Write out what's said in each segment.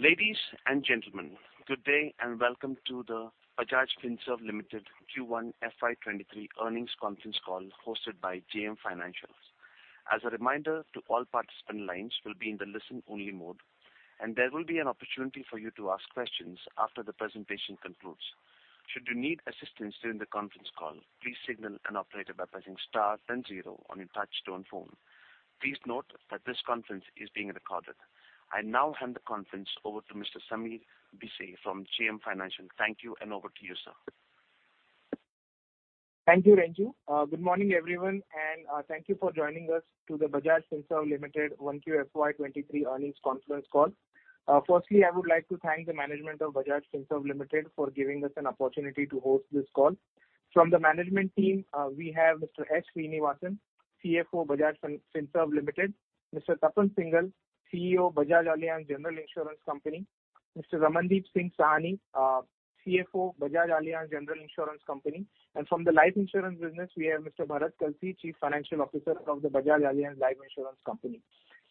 Ladies and gentlemen, good day and welcome to the Bajaj Finserv Limited Q1 FY23 earnings conference call hosted by JM Financial. As a reminder, all participant lines will be in the listen-only mode, and there will be an opportunity for you to ask questions after the presentation concludes. Should you need assistance during the conference call, please signal an operator by pressing star then zero on your touchtone phone. Please note that this conference is being recorded. I now hand the conference over to Mr. Sameer Bhise from JM Financial. Thank you and over to you, sir. Thank you, Renju. Good morning, everyone, and thank you for joining us to the Bajaj Finserv Limited 1Q FY23 earnings conference call. Firstly, I would like to thank the management of Bajaj Finserv Limited for giving us an opportunity to host this call. From the management team, we have Mr. S. Sreenivasan, CFO, Bajaj Finserv Limited, Mr. Tapan Singhel, CEO, Bajaj Allianz General Insurance Company, Mr. Ramandeep Singh Sahni, CFO, Bajaj Allianz General Insurance Company. From the life insurance business, we have Mr. Bharat Kalsi, Chief Financial Officer of the Bajaj Allianz Life Insurance Company.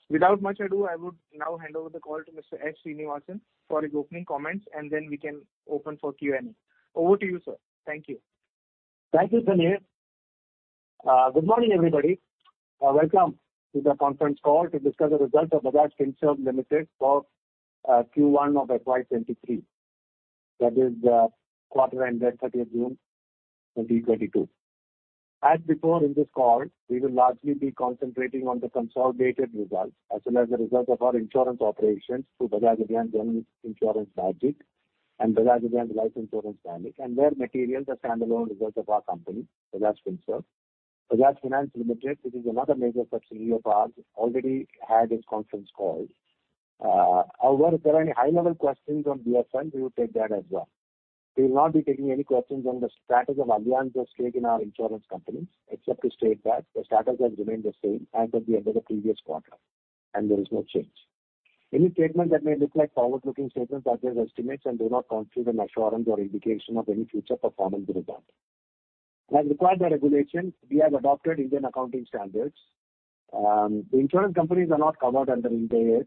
Without much ado, I would now hand over the call to Mr. S. Sreenivasan for his opening comments, and then we can open for Q&A. Over to you, sir. Thank you. Thank you, Sameer. Good morning, everybody. Welcome to the conference call to discuss the result of Bajaj Finserv Limited for Q1 of FY23. That is the quarter ended thirtieth June 2022. As before in this call, we will largely be concentrating on the consolidated results as well as the results of our insurance operations through Bajaj Allianz General Insurance, BAGIC, and Bajaj Allianz Life Insurance, BALIC, and where material, the standalone results of our company, Bajaj Finserv. Bajaj Finance Limited, which is another major subsidiary of ours, already had its conference call. However, if there are any high-level questions on BFL, we will take that as well. We will not be taking any questions on the status of Allianz's stake in our insurance companies, except to state that the status has remained the same as at the end of the previous quarter, and there is no change. Any statement that may look like forward-looking statements are just estimates and do not constitute an assurance or indication of any future performance to return. As required by regulation, we have adopted Indian accounting standards. The insurance companies are not covered under Ind AS.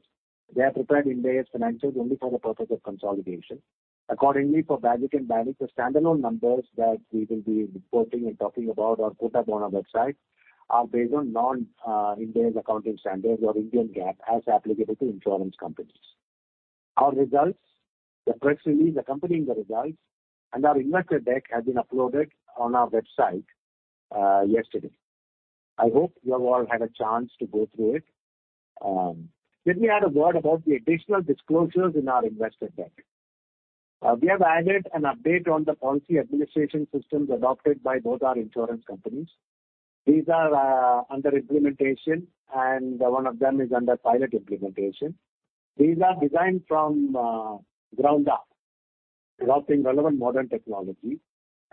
They have prepared Ind AS financials only for the purpose of consolidation. Accordingly, for BAGIC and BALIC, the standalone numbers that we will be reporting and talking about or put up on our website are based on non, Ind AS accounting standards or Indian GAAP as applicable to insurance companies. Our results, the press release accompanying the results and our investor deck has been uploaded on our website yesterday. I hope you have all had a chance to go through it. Let me add a word about the additional disclosures in our investor deck. We have added an update on the policy administration systems adopted by both our insurance companies. These are under implementation and one of them is under pilot implementation. These are designed from ground up, adopting relevant modern technology,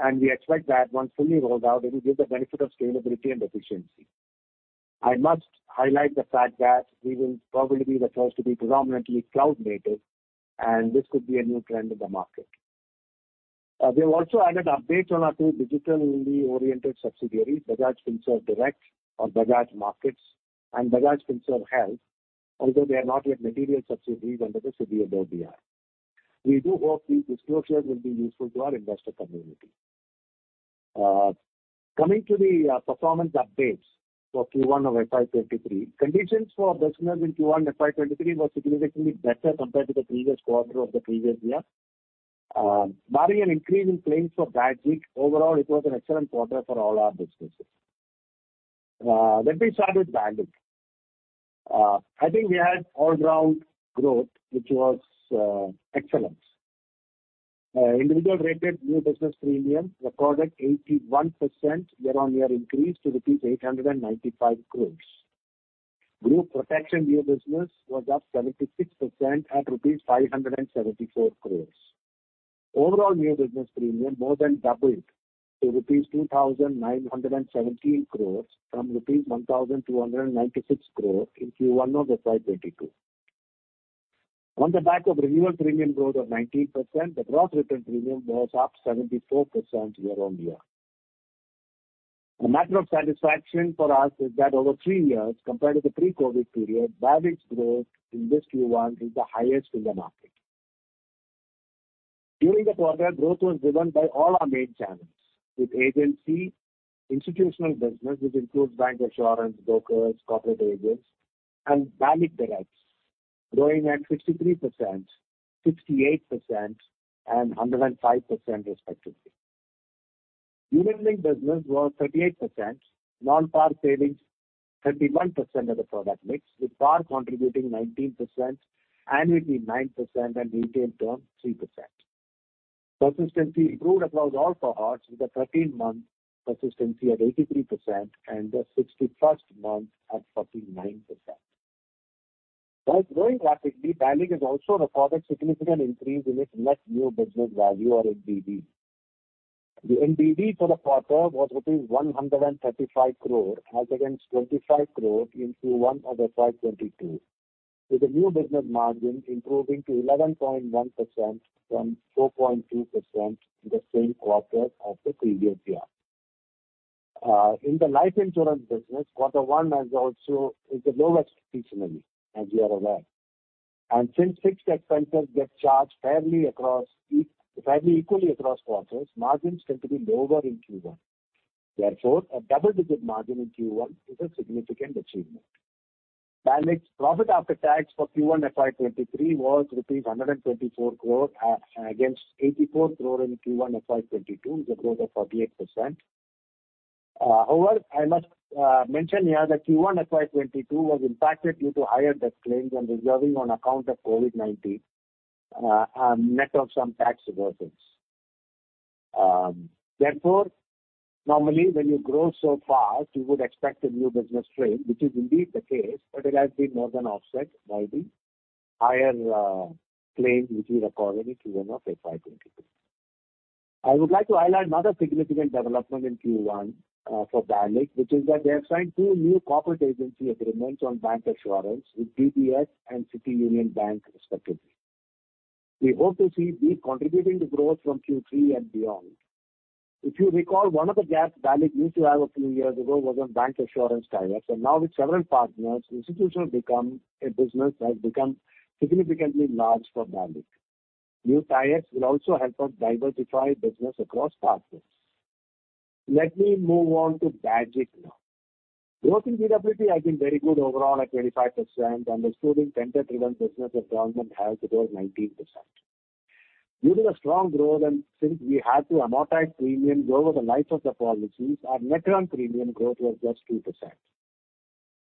and we expect that once fully rolled out, it will give the benefit of scalability and efficiency. I must highlight the fact that we will probably be the first to be predominantly cloud native, and this could be a new trend in the market. We have also added updates on our two digitally oriented subsidiaries, Bajaj Finserv Direct or Bajaj Markets and Bajaj Finserv Health, although they are not yet material subsidiaries under the scope of OBI. We do hope these disclosures will be useful to our investor community. Coming to the performance updates for Q1 of FY 2023. Conditions for businesses in Q1 FY 2023 were significantly better compared to the previous quarter of the previous year. Barring an increase in claims for BAGIC, overall it was an excellent quarter for all our businesses. Let me start with BALIC. I think we had all-round growth, which was excellent. Individual rated new business premium recorded 81% year-on-year increase to rupees 895 crore. Group protection new business was up 76% at rupees 574 crore. Overall new business premium more than doubled to rupees 2,917 crore from rupees 1,296 crore in Q1 of FY 2022. On the back of renewed premium growth of 19%, the gross written premium was up 74% year-on-year. A matter of satisfaction for us is that over three years, compared to the pre-COVID period, BALIC's growth in this Q1 is the highest in the market. During the quarter, growth was driven by all our main channels, with agency, institutional business, which includes bancassurance, brokers, corporate agents and BALIC direct growing at 63%, 68% and 105% respectively. New business was 38%. Non-par savings, 31% of the product mix, with par contributing 19%, annuity 9% and retail term 3%. Persistence improved across all cohorts, with the 13-month persistence at 83% and the 61st month at 49%. While growing rapidly, BALIC has also recorded significant increase in its net new business value or NBV. The NBV for the quarter was rupees 135 crore as against 25 crore in Q1 of FY 2022. With the new business margin improving to 11.1% from 4.2% in the same quarter of the previous year. In the life insurance business, Q1 is the lowest seasonally, as you are aware. Since fixed expenses get charged fairly equally across quarters, margins tend to be lower in Q1. Therefore, a double-digit margin in Q1 is a significant achievement. BALIC's profit after tax for Q1 FY 2023 was rupees 124 crore against 84 crore in Q1 FY 2022, a growth of 48%. However, I must mention here that Q1 FY 2022 was impacted due to higher death claims and reserving on account of COVID-19, net of some tax reversals. Therefore, normally when you grow so fast, you would expect a new business strain, which is indeed the case, but it has been more than offset by the higher claims which we recorded in Q1 of FY 2022. I would like to highlight another significant development in Q1 for BALIC, which is that they have signed two new corporate agency agreements on bancassurance with DBS and City Union Bank respectively. We hope to see these contributing to growth from Q3 and beyond. If you recall, one of the gaps BALIC used to have a few years ago was on bancassurance tie-ups, and now with several partners, a business has become significantly large for BALIC. New tie-ups will also help us diversify business across partners. Let me move on to BAGIC now. Growth in GWP has been very good overall at 25% and excluding tender-driven business with government has grown 19%. Due to the strong growth, and since we had to amortize premium over the life of the policies, our net earned premium growth was just 2%.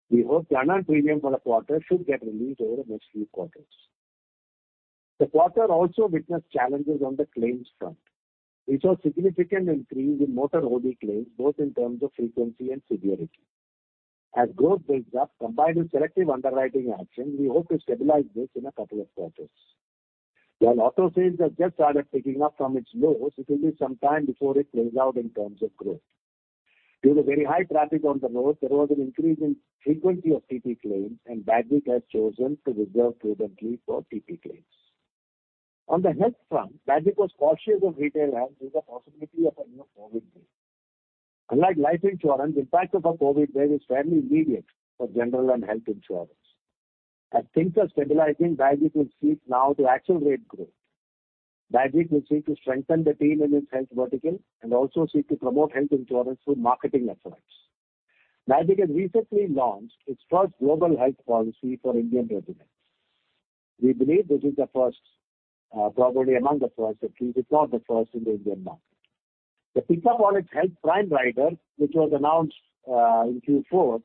We hope the earned premium for the quarter should get released over the next few quarters. The quarter also witnessed challenges on the claims front. We saw significant increase in Motor OD claims, both in terms of frequency and severity. As growth builds up, combined with selective underwriting actions, we hope to stabilize this in a couple of quarters. While auto sales have just started picking up from its lows, it will be some time before it plays out in terms of growth. Due to very high traffic on the roads, there was an increase in frequency of TP claims, and Bajaj has chosen to reserve prudently for TP claims. On the health front, Bajaj was cautious of retail health with the possibility of a new COVID wave. Unlike life insurance, impact of a COVID wave is fairly immediate for general and health insurance. As things are stabilizing, Bajaj will seek now to accelerate growth. Bajaj will seek to strengthen the team in its health vertical and also seek to promote health insurance through marketing efforts. Bajaj has recently launched its first global health policy for Indian residents. We believe this is the first, probably among the first, if it is not the first in the Indian market. The pick-up on its Health Prime rider, which was announced in Q4,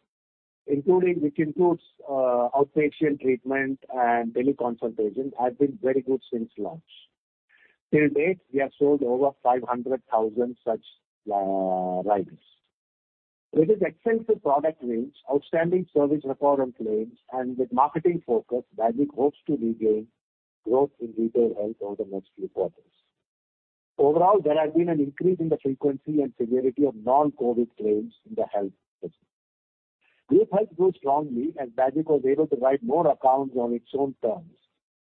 which includes outpatient treatment and teleconsultations, has been very good since launch. To date, we have sold over 500,000 such riders. With its extensive product range, outstanding service record on claims, and with marketing focus, Bajaj hopes to regain growth in retail health over the next few quarters. Overall, there has been an increase in the frequency and severity of non-COVID claims in the health business. Group Health grew strongly as Bajaj was able to write more accounts on its own terms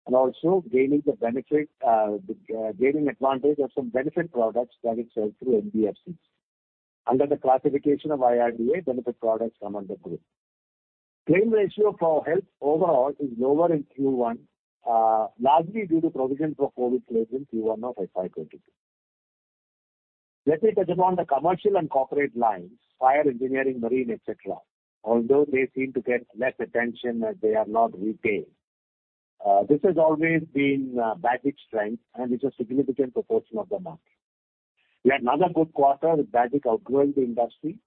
and also gaining the benefit, gaining advantage of some benefit products that it sells through NBFCs. Under the classification of IRDAI, benefit products come under group. Claim ratio for health overall is lower in Q1, largely due to provision for COVID claims in Q1 of FY 2022. Let me touch upon the commercial and corporate lines, fire engineering, marine, etc. Although they seem to get less attention as they are not retail, this has always been BAGIC's strength, and it's a significant proportion of the market. We had another good quarter with BAGIC outgrowing the industry.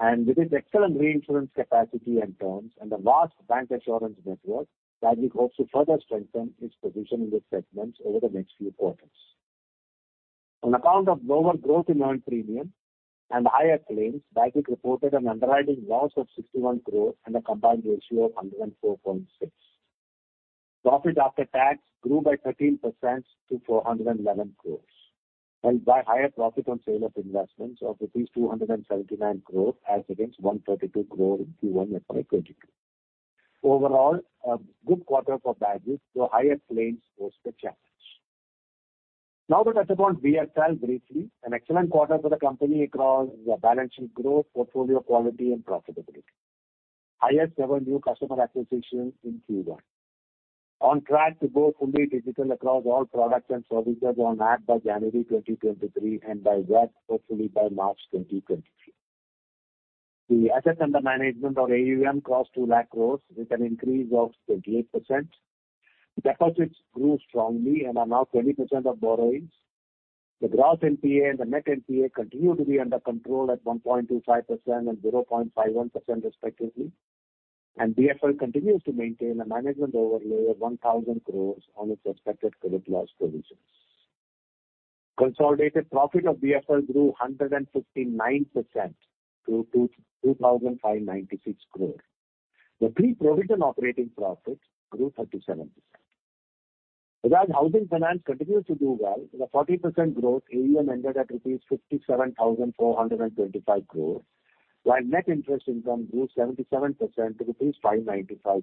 With its excellent reinsurance capacity and terms and a vast bancassurance network, BAGIC hopes to further strengthen its position in these segments over the next few quarters. On account of lower growth in earned premium and higher claims, BAGIC reported an underwriting loss of 61 crore and a combined ratio of 104.6. Profit after tax grew by 13% to 411 crore, helped by higher profit on sale of investments of 279 crore as against 132 crore in Q1 FY 2022. Overall, a good quarter for BAGIC, though higher claims pose the challenge. Now to touch upon BFL briefly. An excellent quarter for the company across the balance sheet growth, portfolio quality and profitability. Highest ever new customer acquisitions in Q1. On track to go fully digital across all products and services on app by January 2023 and by web hopefully by March 2023. The asset under management or AUM crossed 2 lakh crore with an increase of 38%. Deposits grew strongly and are now 20% of borrowings. The gross NPA and the net NPA continue to be under control at 1.25% and 0.51% respectively, and BFL continues to maintain a management overlay of 1,000 crore on its expected credit loss provisions. Consolidated profit of BFL grew 159% to 2,596 crore. The pre-provision operating profit grew 37%. Bajaj Housing Finance continues to do well with a 40% growth. AUM ended at rupees 57,425 crore, while net interest income grew 77% to rupees 595 crore.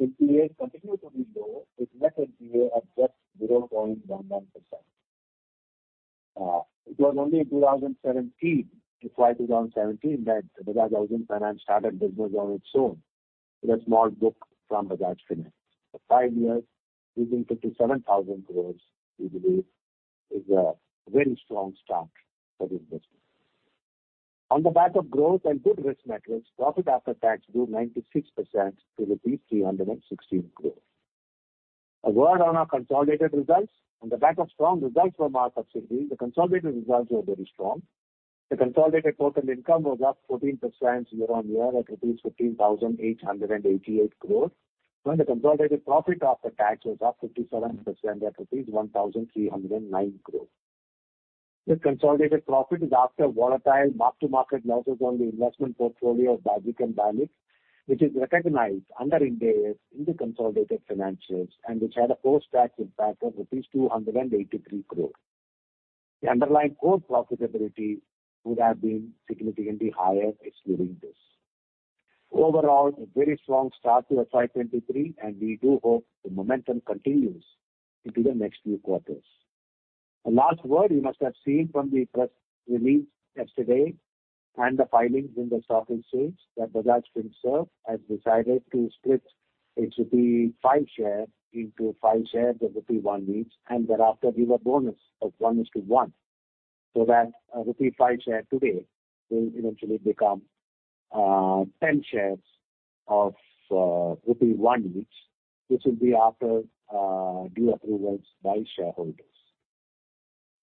NPAs continue to be low, with net NPA at just 0.19%. It was only in 2017, FY 2017 that Bajaj Housing Finance started business on its own with a small book from Bajaj Finance. For 5 years, using 57,000 crore, we believe is a very strong start for this business. On the back of growth and good risk metrics, profit after tax grew 96% to 316 crore. A word on our consolidated results. On the back of strong results from our subsidiaries, the consolidated results were very strong. The consolidated total income was up 14% year-on-year at rupees 15,888 crore, and the consolidated profit after tax was up 57% at rupees 1,309 crore. This consolidated profit is after volatile mark-to-market losses on the investment portfolio of BAGIC and BALIC, which is recognized under Ind AS in the consolidated financials and which had a post-tax impact of 283 crore. The underlying core profitability would have been significantly higher excluding this. Overall, a very strong start to FY 2023, and we do hope the momentum continues into the next few quarters. Last word you must have seen from the press release yesterday and the filings in the Stock Exchange that Bajaj Finserv has decided to split its 5 share into 5 shares of rupee 1 each, and thereafter give a bonus of 1:1, so that an rupee 5 share today will eventually become ten shares of rupee 1 each, which will be after due approvals by shareholders.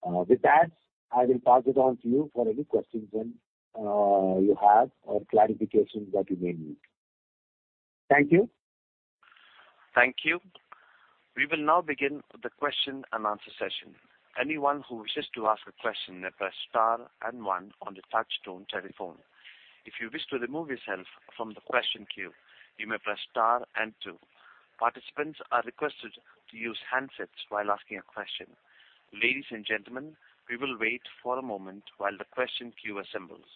With that, I will pass it on to you for any questions you have or clarifications that you may need. Thank you. Thank you. We will now begin the question and answer session. Anyone who wishes to ask a question may press star and one on the touchtone telephone. If you wish to remove yourself from the question queue, you may press star and two. Participants are requested to use handsets while asking a question. Ladies and gentlemen, we will wait for a moment while the question queue assembles.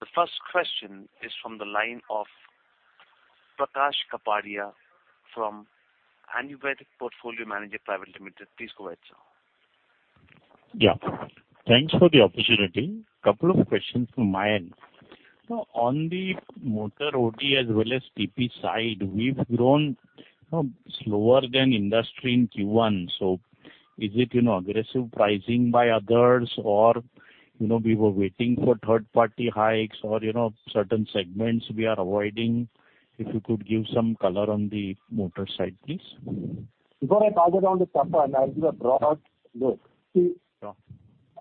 The first question is from the line of Prakash Kapadia from Anived Portfolio Managers Private Limited. Please go ahead, sir. Yeah. Thanks for the opportunity. Couple of questions from my end. On the Motor OD as well as TP side, we've grown slower than industry in Q1. Is it, you know, aggressive pricing by others or, you know, we were waiting for third party hikes or, you know, certain segments we are avoiding? If you could give some color on the motor side, please. Before I pass it on to Tapan, I'll give a broad look. Sure.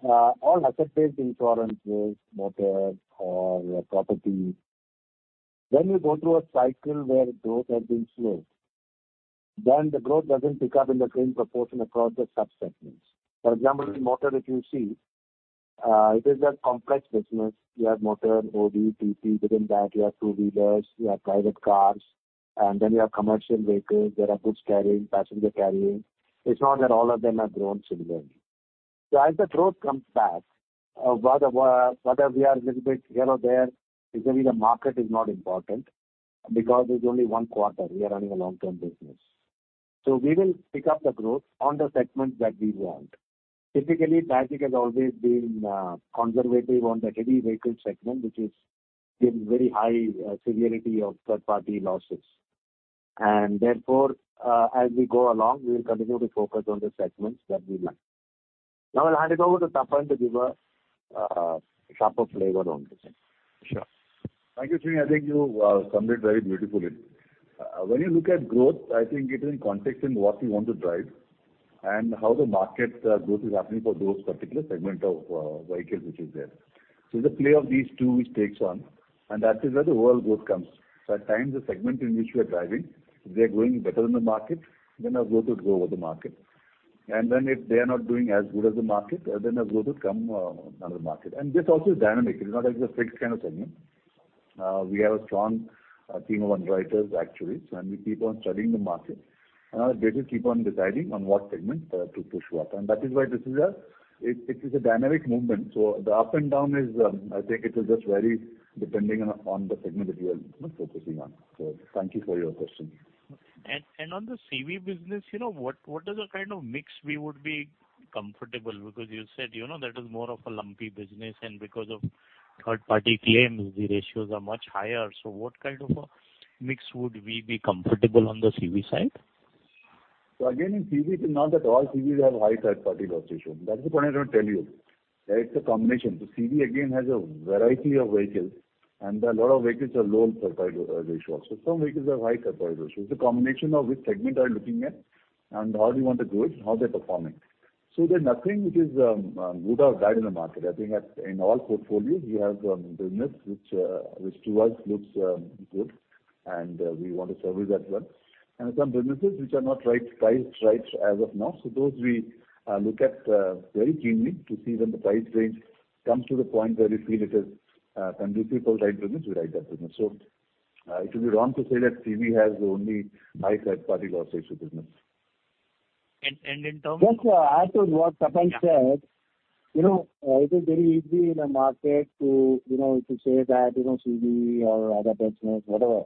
All asset-based insurance is motor or property. When you go through a cycle where growth has been slowed, the growth doesn't pick up in the same proportion across the sub-segments. For example, in motor if you see, it is a complex business. You have motor, OD, TP. Within that you have two-wheelers, you have private cars, and then you have commercial vehicles that are goods carrying, passenger carrying. It's not that all of them have grown similarly. As the growth comes back, whether we are a little bit here or there, it's only the market is not important because it's only one quarter. We are running a long-term business. We will pick up the growth on the segments that we want. Typically, BAGIC has always been conservative on the heavy vehicle segment, which gives very high severity of third-party losses. Therefore, as we go along, we will continue to focus on the segments that we like. Now I'll hand it over to Tapan Singhel to give a proper flavor on this end. Sure. Thank you, Sreeni. I think you summed it very beautifully. When you look at growth, I think it is in context in what we want to drive and how the market growth is happening for those particular segment of vehicles which is there. The play of these two which takes on, and that is where the overall growth comes. At times the segment in which we are driving, if they are growing better than the market, then our growth would go over the market. If they are not doing as good as the market, then our growth would come under the market. This also is dynamic. It's not like a fixed kind of segment. We have a strong team of underwriters actually, so and we keep on studying the market. Our data keep on deciding on what segment to push what. That is why this is a dynamic movement. The up and down is, I think, just very dependent on the segment that we are, you know, focusing on. Thank you for your question. On the CV business, you know, what is the kind of mix we would be comfortable? Because you said, you know, that is more of a lumpy business and because of third-party claims the ratios are much higher. What kind of a mix would we be comfortable on the CV side? Again, in CV it is not that all CVs have high third party loss ratio. That is what I don't tell you. Right? It's a combination. CV again has a variety of vehicles and a lot of vehicles have low third party loss ratio. Also some vehicles have high third party ratio. It's a combination of which segment are you looking at and how do you want to grow it and how they're performing. There's nothing which is good or bad in the market. I think in all portfolios we have business which to us looks good and we want to service that well. Some businesses which are not right priced right as of now. Those we look at very keenly to see when the price range comes to the point where we feel it is conducive for right business, we write that business. It will be wrong to say that CV has only high third party loss ratio business. And, and in term- Yes, as to what Tapan said, you know, it is very easy in a market to, you know, to say that, you know, CV or other business, whatever,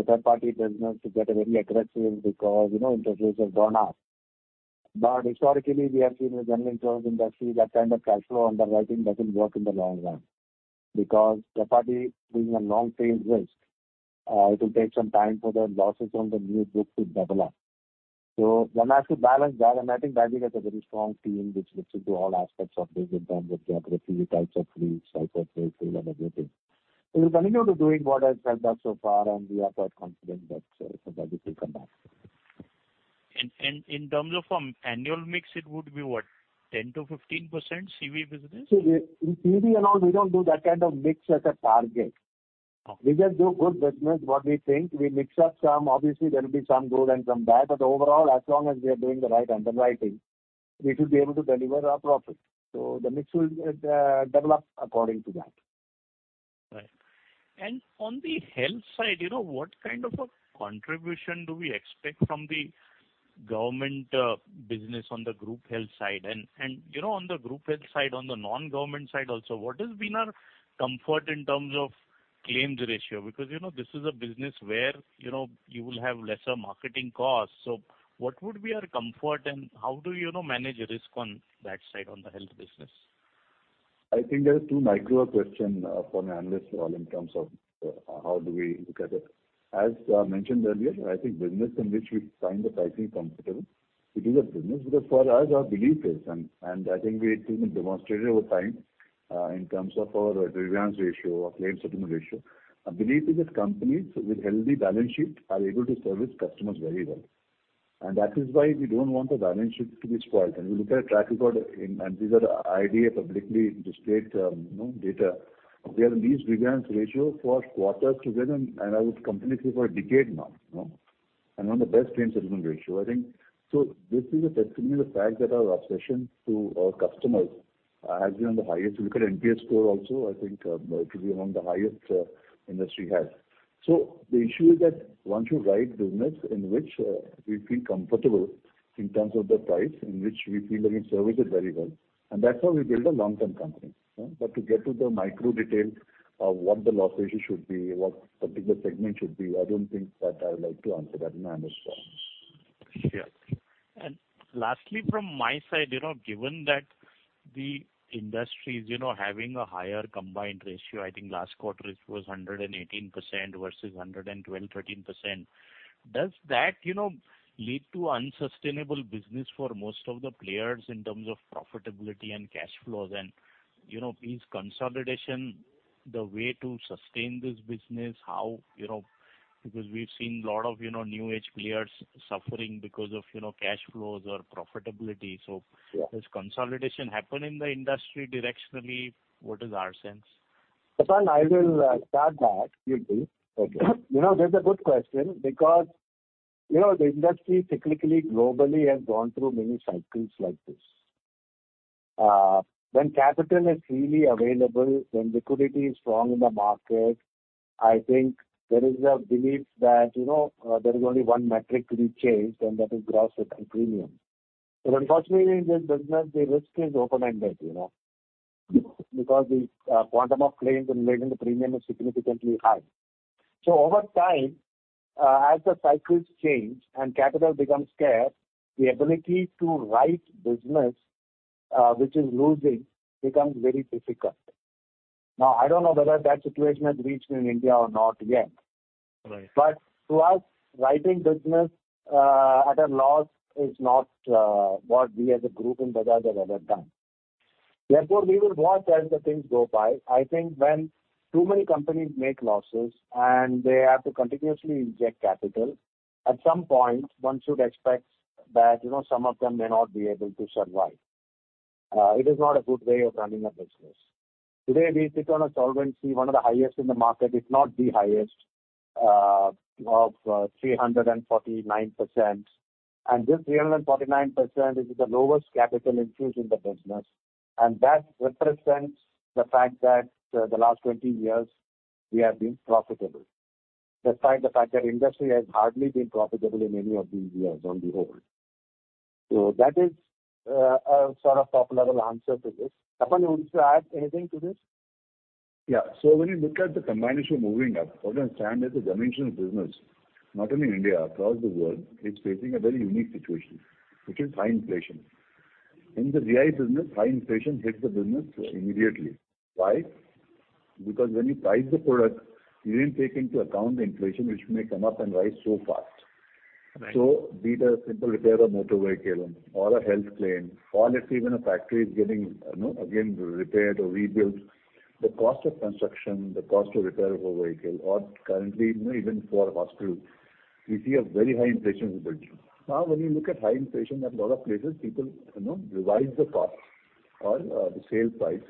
third party business to get very aggressive because, you know, incentives gone up. Historically we have seen in the general insurance industry that kind of cash flow underwriting doesn't work in the long run because third party doing a long-tail risk, it will take some time for the losses on the new book to develop. One has to balance that, and I think Bajaj has a very strong team which looks into all aspects of this in terms of geography, types of fleets, type of trade field and everything. We'll continue to doing what has helped us so far, and we are quite confident that, Bajaj will come back. In terms of annual mix it would be what? 10%-15% CV business? In CV and all we don't do that kind of mix as a target. Oh. We just do good business what we think. We mix up some. Obviously there will be some good and some bad, but overall, as long as we are doing the right underwriting, we should be able to deliver our profit. The mix will develop according to that. Right. On the health side, you know, what kind of a contribution do we expect from the government business on the group health side? You know, on the group health side, on the non-government side also, what has been our comfort in terms of claims ratio? Because, you know, this is a business where, you know, you will have lesser marketing costs. What would be our comfort and how do you now manage risk on that side, on the health business? I think that is too micro a question from an analyst role in terms of how do we look at it. As mentioned earlier, I think business in which we find the pricing comfortable, it is a business because for us our belief is, and I think we've even demonstrated over time in terms of our reinsurance ratio or claim settlement ratio, our belief is that companies with healthy balance sheet are able to service customers very well. That is why we don't want the balance sheet to be spoiled. We look at a track record, and these are IRDAI publicly displayed, you know, data. We have the least reinsurance ratio for quarters together, and I would completely say for a decade now, you know, and one of the best claim settlement ratio, I think. This is a testimony of the fact that our obsession to our customers has been on the highest. If you look at NPS score also, I think, it'll be among the highest industry has. The issue is that once you write business in which, we feel comfortable in terms of the price, in which we feel that we service it very well, and that's how we build a long-term company. Yeah. To get to the micro detail of what the loss ratio should be, what particular segment should be, I don't think that I would like to answer that in an analyst forum. Sure. Lastly, from my side, you know, given that the industry is, you know, having a higher combined ratio, I think last quarter it was 118% versus 112-113%. Does that, you know, lead to unsustainable business for most of the players in terms of profitability and cash flows? Is consolidation the way to sustain this business? How, you know, because we've seen a lot of, you know, new age players suffering because of, you know, cash flows or profitability. Yeah. Does consolidation happen in the industry directionally? What is our sense? Tapan, I will start that quickly. Okay. You know, that's a good question because, you know, the industry cyclically, globally has gone through many cycles like this. When capital is freely available, when liquidity is strong in the market, I think there is a belief that, you know, there is only one metric to be chased, and that is gross written premium. Unfortunately in this business the risk is open-ended, you know, because the quantum of claims in relation to premium is significantly high. Over time, as the cycles change and capital becomes scarce, the ability to write business, which is losing becomes very difficult. Now, I don't know whether that situation has reached in India or not yet. Right. To us, writing business at a loss is not what we as a group in Bajaj have ever done. Therefore, we will watch as the things go by. I think when too many companies make losses and they have to continuously inject capital, at some point one should expect that, you know, some of them may not be able to survive. It is not a good way of running a business. Today, we sit on a solvency, one of the highest in the market, if not the highest, of 349%. This 349% is the lowest capital infused in the business, and that represents the fact that the last 20 years we have been profitable, despite the fact that industry has hardly been profitable in any of these years on the whole. That is a sort of top level answer to this. Tapan, you want to add anything to this? Yeah. When you look at the combined ratio moving up, what I understand is the insurance business, not only India, across the world, it's facing a very unique situation, which is high inflation. In the GI business, high inflation hits the business immediately. Why? Because when you price the product, you didn't take into account the inflation which may come up and rise so fast. Right. Be it a simple repair of motor vehicle or a health claim, or let's say even a factory is getting, you know, again repaired or rebuilt, the cost of construction, the cost to repair a vehicle or currently, you know, even for hospital, we see a very high inflation building. Now when you look at high inflation at a lot of places, people, you know, revise the cost or the sale price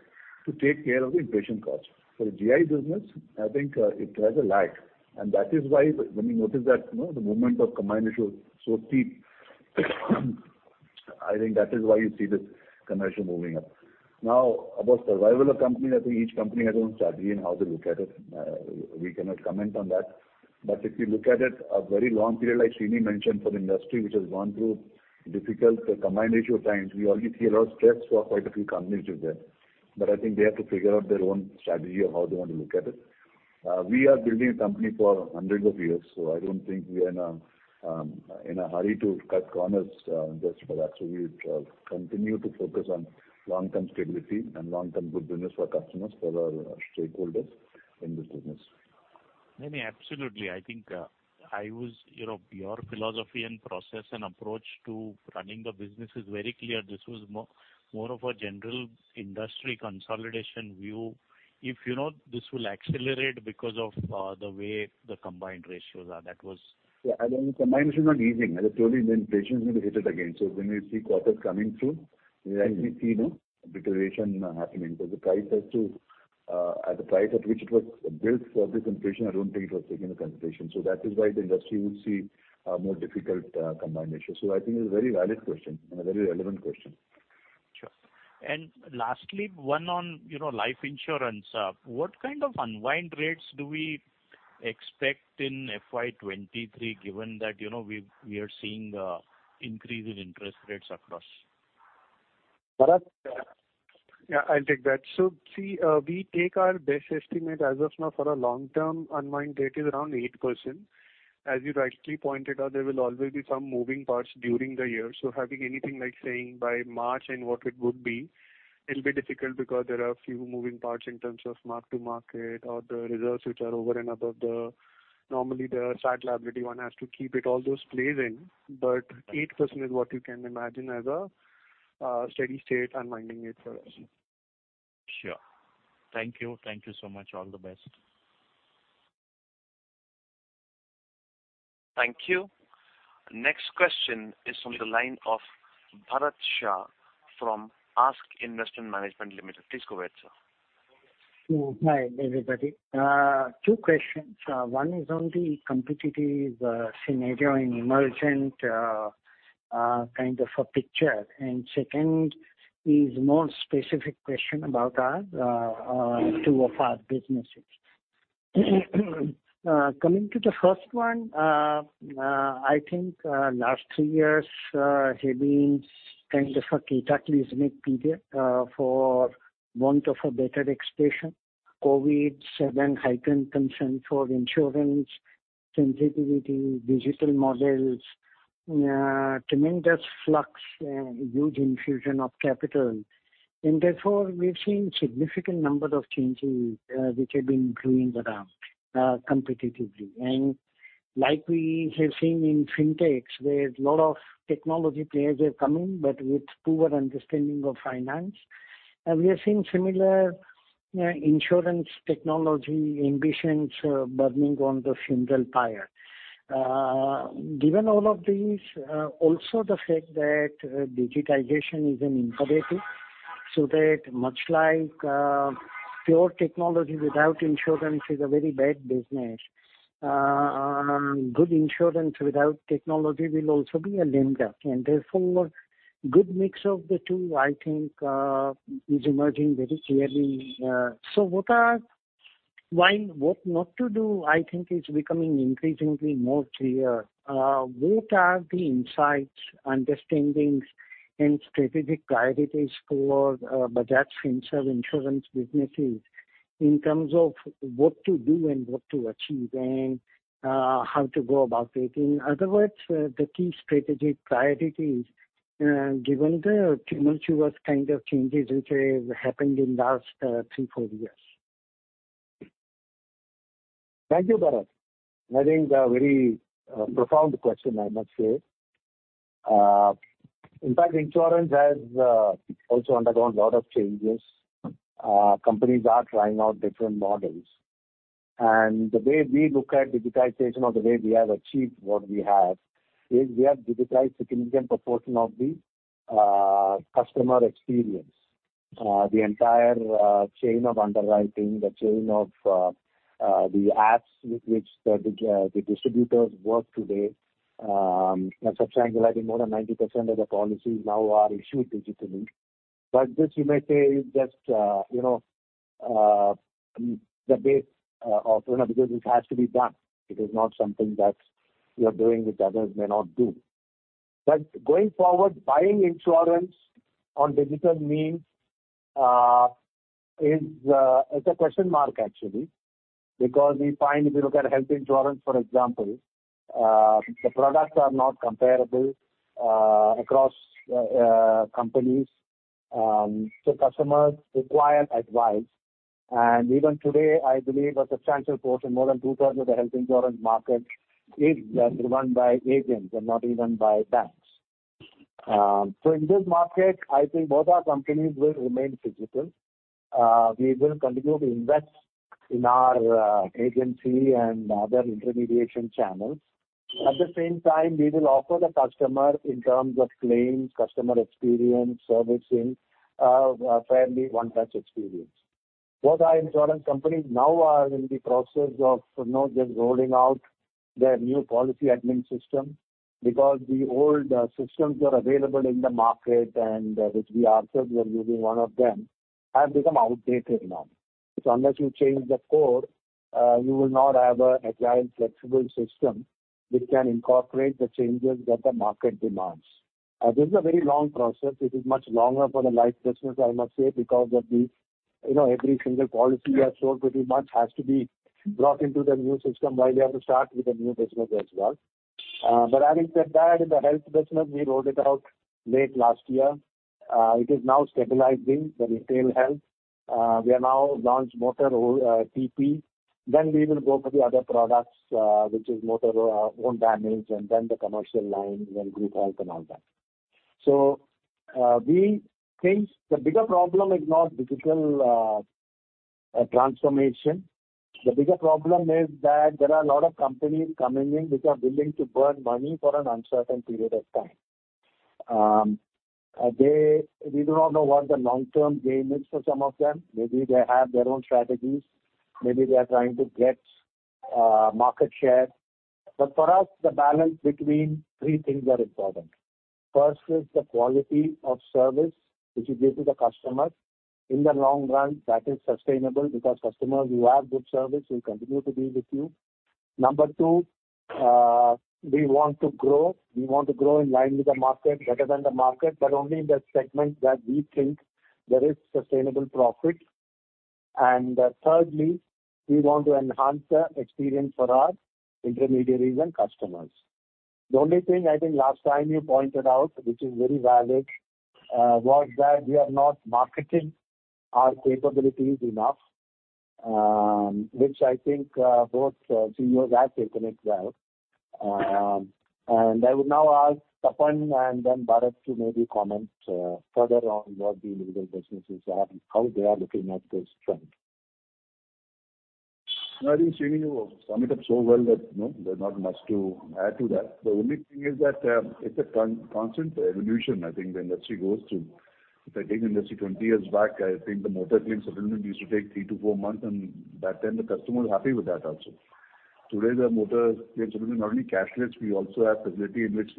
to take care of the inflation cost. For the GI business, I think it has a lag, and that is why when you notice that, you know, the movement of combined ratio is so steep. I think that is why you see this combined moving up. Now about survival of companies, I think each company has its own strategy in how they look at it. We cannot comment on that. If you look at it a very long period, like Sreeni mentioned, for the industry, which has gone through difficult combined ratio times, we already see a lot of stress for quite a few companies out there. I think they have to figure out their own strategy of how they want to look at it. We are building a company for hundreds of years, so I don't think we are in a hurry to cut corners just for that. We continue to focus on long-term stability and long-term good business for our customers, for our stakeholders in this business. No, no, absolutely. I think, you know, your philosophy and process and approach to running the business is very clear. This was more of a general industry consolidation view. If, you know, this will accelerate because of the way the combined ratios are. That was. Yeah, I mean, the combined ratio is not easing. As I told you, the inflation is going to hit it again. When we see quarters coming through, we'll actually see no deterioration happening because the price has to, at the price at which it was built for this inflation, I don't think it was taking into consideration. That is why the industry will see a more difficult, combined ratio. I think it's a very valid question and a very relevant question. Sure. Lastly, one on, you know, life insurance. What kind of unwind rates do we expect in FY 2023, given that, you know, we are seeing an increase in interest rates across? Bharat. Yeah, I'll take that. See, we take our best estimate as of now for a long-term unwind rate is around 8%. As you rightly pointed out, there will always be some moving parts during the year. Having anything like saying by March end what it would be, it'll be difficult because there are a few moving parts in terms of mark-to-market or the reserves which are over and above the normally the statutory liability one has to keep all those plays in. 8% is what you can imagine as a steady-state unwinding rate for us. Sure. Thank you. Thank you so much. All the best. Thank you. Next question is from the line of Bharat Shah from ASK Investment Managers Limited. Please go ahead, sir. Hi, everybody. Two questions. One is on the competitive scenario in emerging kind of a picture. Second is more specific question about two of our businesses. Coming to the first one, I think last three years have been kind of a cataclysmic period for want of a better expression. COVID then heightened concern for insurance sensitivity, digital models, tremendous flux and huge infusion of capital. Therefore, we've seen significant number of changes, which have been flowing around competitively. Like we have seen in FinTech, where a lot of technology players are coming but with poor understanding of finance. We are seeing similar insurance technology ambitions burning on the same old tire. Given all of these, also the fact that digitization is an imperative, so that much like, pure technology without insurance is a very bad business, good insurance without technology will also be a lame duck. Therefore, good mix of the two, I think, is emerging very clearly. While what not to do, I think is becoming increasingly more clear, what are the insights, understandings and strategic priorities for, Bajaj Finserv insurance businesses in terms of what to do and what to achieve and, how to go about it? In other words, the key strategic priorities, given the tumultuous kind of changes which have happened in last 3-4 years. Thank you, Bharat. I think a very profound question, I must say. In fact, insurance has also undergone a lot of changes. Companies are trying out different models. The way we look at digitization or the way we have achieved what we have is we have digitized significant proportion of the customer experience, the entire chain of underwriting, the chain of the apps with which the distributors work today. A substantial, I think more than 90% of the policies now are issued digitally. This you may say is just, you know, the base, you know, because it has to be done. It is not something that we are doing which others may not do. Going forward, buying insurance on digital means is a question mark actually. Because we find if you look at health insurance, for example, the products are not comparable across companies. Customers require advice. Even today, I believe a substantial portion, more than two-thirds of the health insurance market is run by agents and not even by banks. In this market, I think both our companies will remain physical. We will continue to invest in our agency and other intermediation channels. At the same time, we will offer the customer in terms of claims, customer experience, servicing, a fairly one-touch experience. Both our insurance companies now are in the process of, you know, just rolling out their new policy admin system because the old systems that are available in the market and which we ourselves were using one of them have become outdated now. Unless you change the core, you will not have an agile, flexible system which can incorporate the changes that the market demands. This is a very long process. It is much longer for the life business, I must say, because of the, you know, every single policy we have sold pretty much has to be brought into the new system while we have to start with the new business as well. Having said that, in the health business we rolled it out late last year. It is now stabilizing the retail health. We have now launched Motor OD, TP. We will go for the other products, which is motor own damage, and then the commercial line, then group health and all that. We think the bigger problem is not digital transformation. The bigger problem is that there are a lot of companies coming in which are willing to burn money for an uncertain period of time. We do not know what the long-term gain is for some of them. Maybe they have their own strategies. Maybe they are trying to get market share. For us, the balance between three things are important. First is the quality of service which you give to the customer. In the long run that is sustainable because customers who have good service will continue to be with you. Number two, we want to grow. We want to grow in line with the market, better than the market, but only in the segment that we think there is sustainable profit. Thirdly, we want to enhance the experience for our intermediaries and customers. The only thing I think last time you pointed out, which is very valid, was that we are not marketing our capabilities enough, which I think both CEOs have taken it well. I would now ask Tapan and then Bharat to maybe comment further on what the individual businesses are and how they are looking at this trend. No, I think Sreeni, you summed it up so well that, you know, there's not much to add to that. The only thing is that, it's a constant evolution, I think the industry goes through. If I take the industry 20 years back, I think the motor claims settlement used to take 3-4 months, and back then the customer was happy with that also. Today, the motor claims settlement not only cashless, we also have facility in which,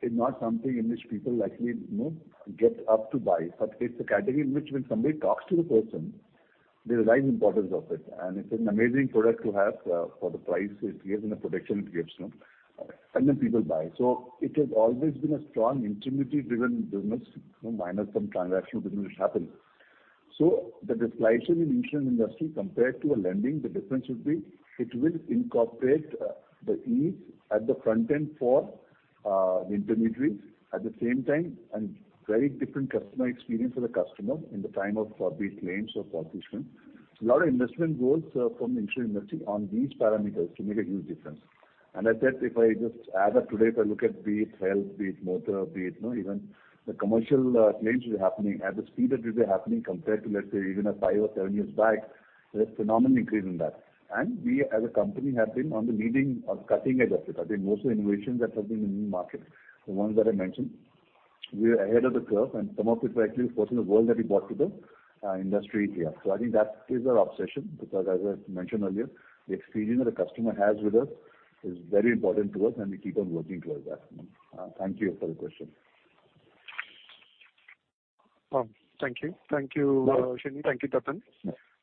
you know, when an accident happens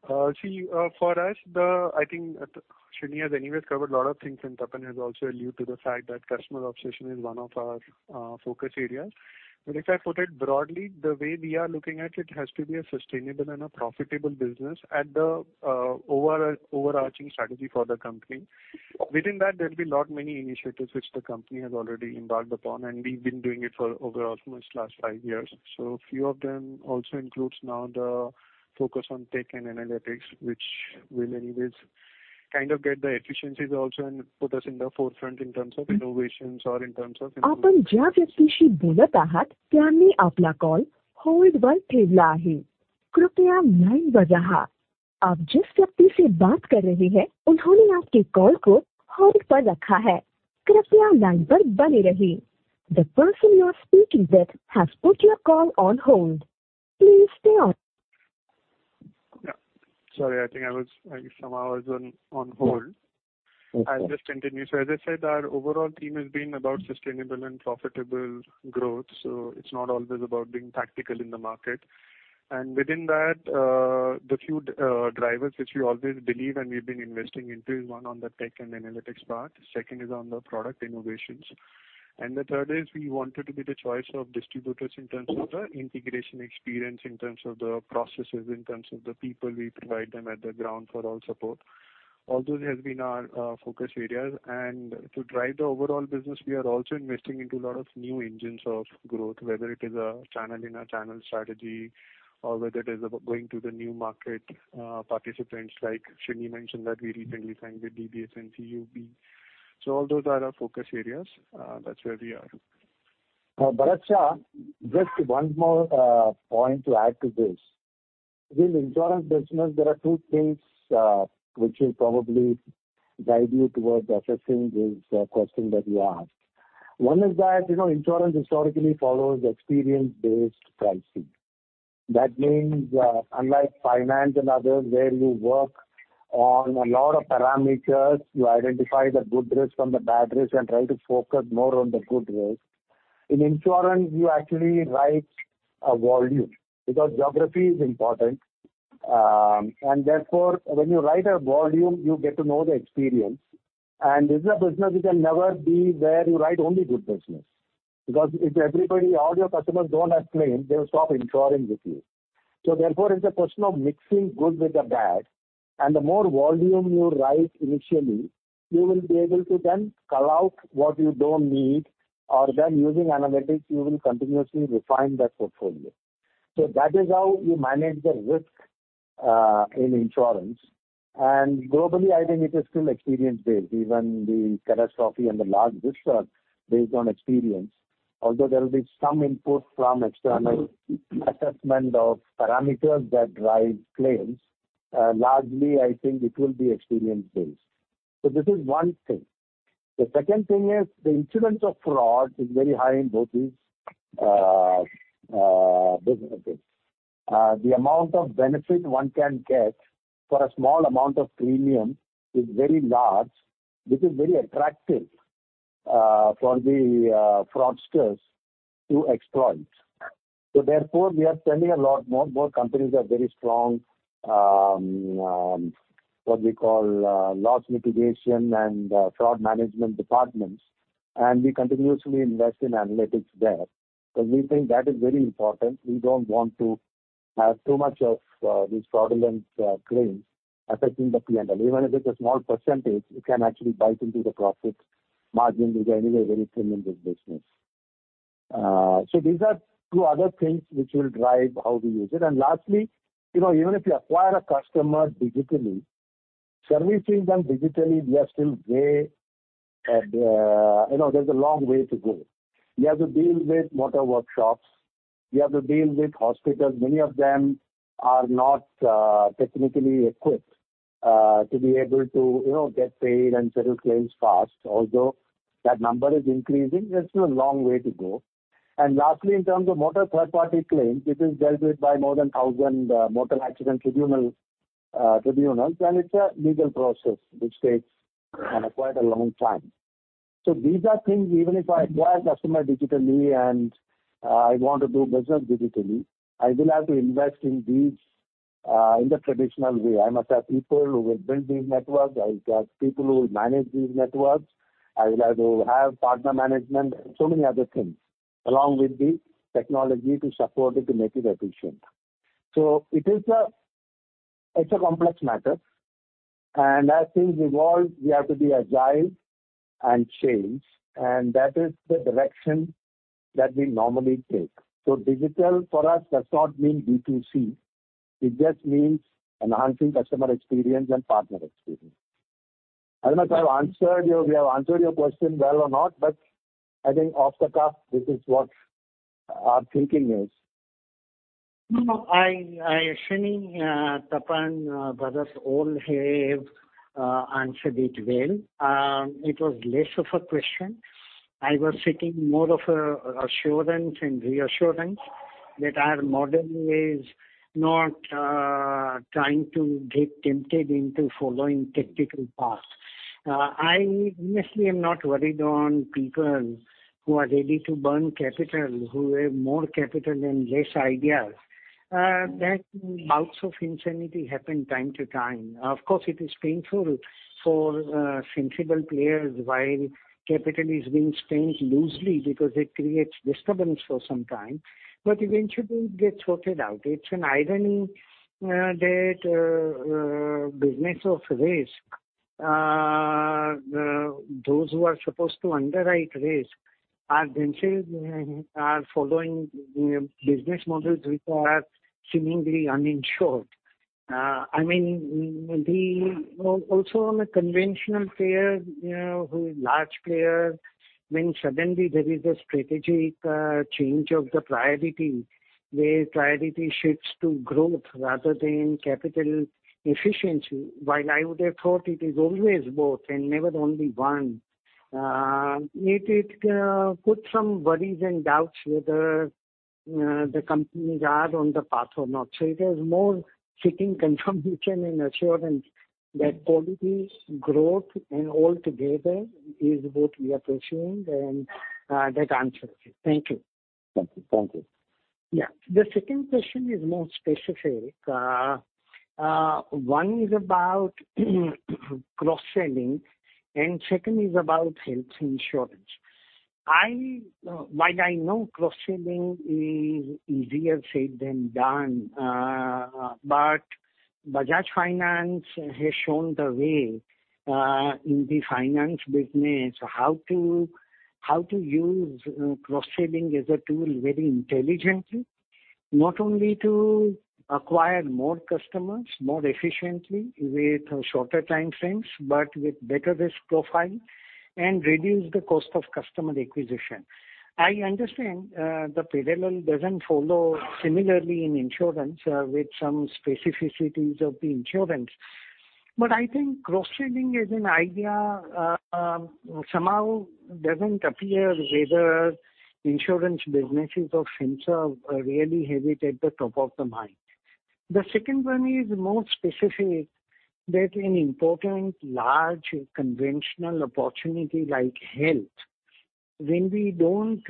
within the limited Yeah. Sorry, I think I somehow was on hold. Okay. I'll just continue. As I said, our overall theme has been about sustainable and profitable growth, so it's not always about being tactical in the market. Within that, the few drivers which we always believe and we've been investing into is one on the tech and analytics part. Second is on the product innovations. The third is we wanted to be the choice of distributors in terms of the integration experience, in terms of the processes, in terms of the people we provide them at the ground for all support. All those has been our focus areas. To drive the overall business, we are also investing into a lot of new engines of growth, whether it is a channel in our channel strategy or whether it is about going to the new market participants like Sreeni mentioned that we recently signed with DBS and CUB. All those are our focus areas, that's where we are. Now, Bharat Shah, just one more point to add to this. With insurance business, there are two things which will probably guide you towards assessing this question that you asked. One is that, you know, insurance historically follows experience-based pricing. That means, unlike finance and others, where you work on a lot of parameters, you identify the good risk from the bad risk and try to focus more on the good risk. In insurance, you actually write a volume because geography is important. Therefore when you write a volume, you get to know the experience. This is a business you can never be where you write only good business, because if everybody, all your customers don't have claims, they'll stop insuring with you. Therefore, it's a question of mixing good with the bad. The more volume you write initially, you will be able to then cull out what you don't need, or then using analytics you will continuously refine that portfolio. That is how you manage the risk in insurance. Globally, I think it is still experience-based. Even the catastrophe and the large risks are based on experience. Although there will be some input from external assessment of parameters that drive claims, largely, I think it will be experience-based. This is one thing. The second thing is the incidence of fraud is very high in both these businesses. The amount of benefit one can get for a small amount of premium is very large, which is very attractive for the fraudsters to exploit. Therefore, we are spending a lot more. More companies have very strong, what we call, loss mitigation and fraud management departments, and we continuously invest in analytics there because we think that is very important. We don't want to have too much of these fraudulent claims affecting the P&L. Even if it's a small percentage, it can actually bite into the profit margin, which are anyway very thin in this business. These are two other things which will drive how we use it. Lastly, you know, even if you acquire a customer digitally, servicing them digitally, you know, there's a long way to go. We have to deal with motor workshops. We have to deal with hospitals. Many of them are not technically equipped to be able to, you know, get paid and settle claims fast. Although that number is increasing, there's still a long way to go. Lastly, in terms of motor third party claims, it is dealt with by more than 1,000 motor accident tribunals, and it's a legal process which takes kind of quite a long time. These are things even if I acquire customer digitally and I want to do business digitally, I will have to invest in these in the traditional way. I must have people who will build these networks. I will have people who will manage these networks. I will have to have partner management and so many other things along with the technology to support it, to make it efficient. It's a complex matter, and as things evolve we have to be agile and change, and that is the direction that we normally take. Digital for us does not mean B2C. It just means enhancing customer experience and partner experience. I don't know if I've answered. We have answered your question well or not, but I think off the cuff this is what our thinking is. No, Sreeni, Tapan, Bharat all have answered it well. It was less of a question. I was seeking more of a assurance and reassurance that our model is not trying to get tempted into following technical paths. I mostly am not worried on people who are ready to burn capital, who have more capital and less ideas. That bouts of insanity happen from time to time. Of course, it is painful for sensible players while capital is being spent loosely because it creates disturbance for some time, but eventually it gets sorted out. It's an irony that business of risk, those who are supposed to underwrite risk are themselves following business models which are seemingly uninsured. I mean, the Also on a conventional player, you know, who is large player, when suddenly there is a strategic change of the priority, where priority shifts to growth rather than capital efficiency. While I would have thought it is always both and never only one, it put some worries and doubts whether the companies are on the path or not. It is more seeking confirmation and assurance that quality, growth and all together is what we are pursuing and that answers it. Thank you. Thank you. Thank you. Yeah. The second question is more specific. One is about cross-selling and second is about health insurance. I, while I know cross-selling is easier said than done, but Bajaj Finance has shown the way, in the finance business how to use cross-selling as a tool very intelligently, not only to acquire more customers more efficiently with shorter time frames, but with better risk profile and reduce the cost of customer acquisition. I understand, the parallel doesn't follow similarly in insurance, with some specificities of the insurance. I think cross-selling as an idea, somehow doesn't appear whether insurance businesses or FinServ really have it at the top of the mind. The second one is more specific that an important large conventional opportunity like health, when we don't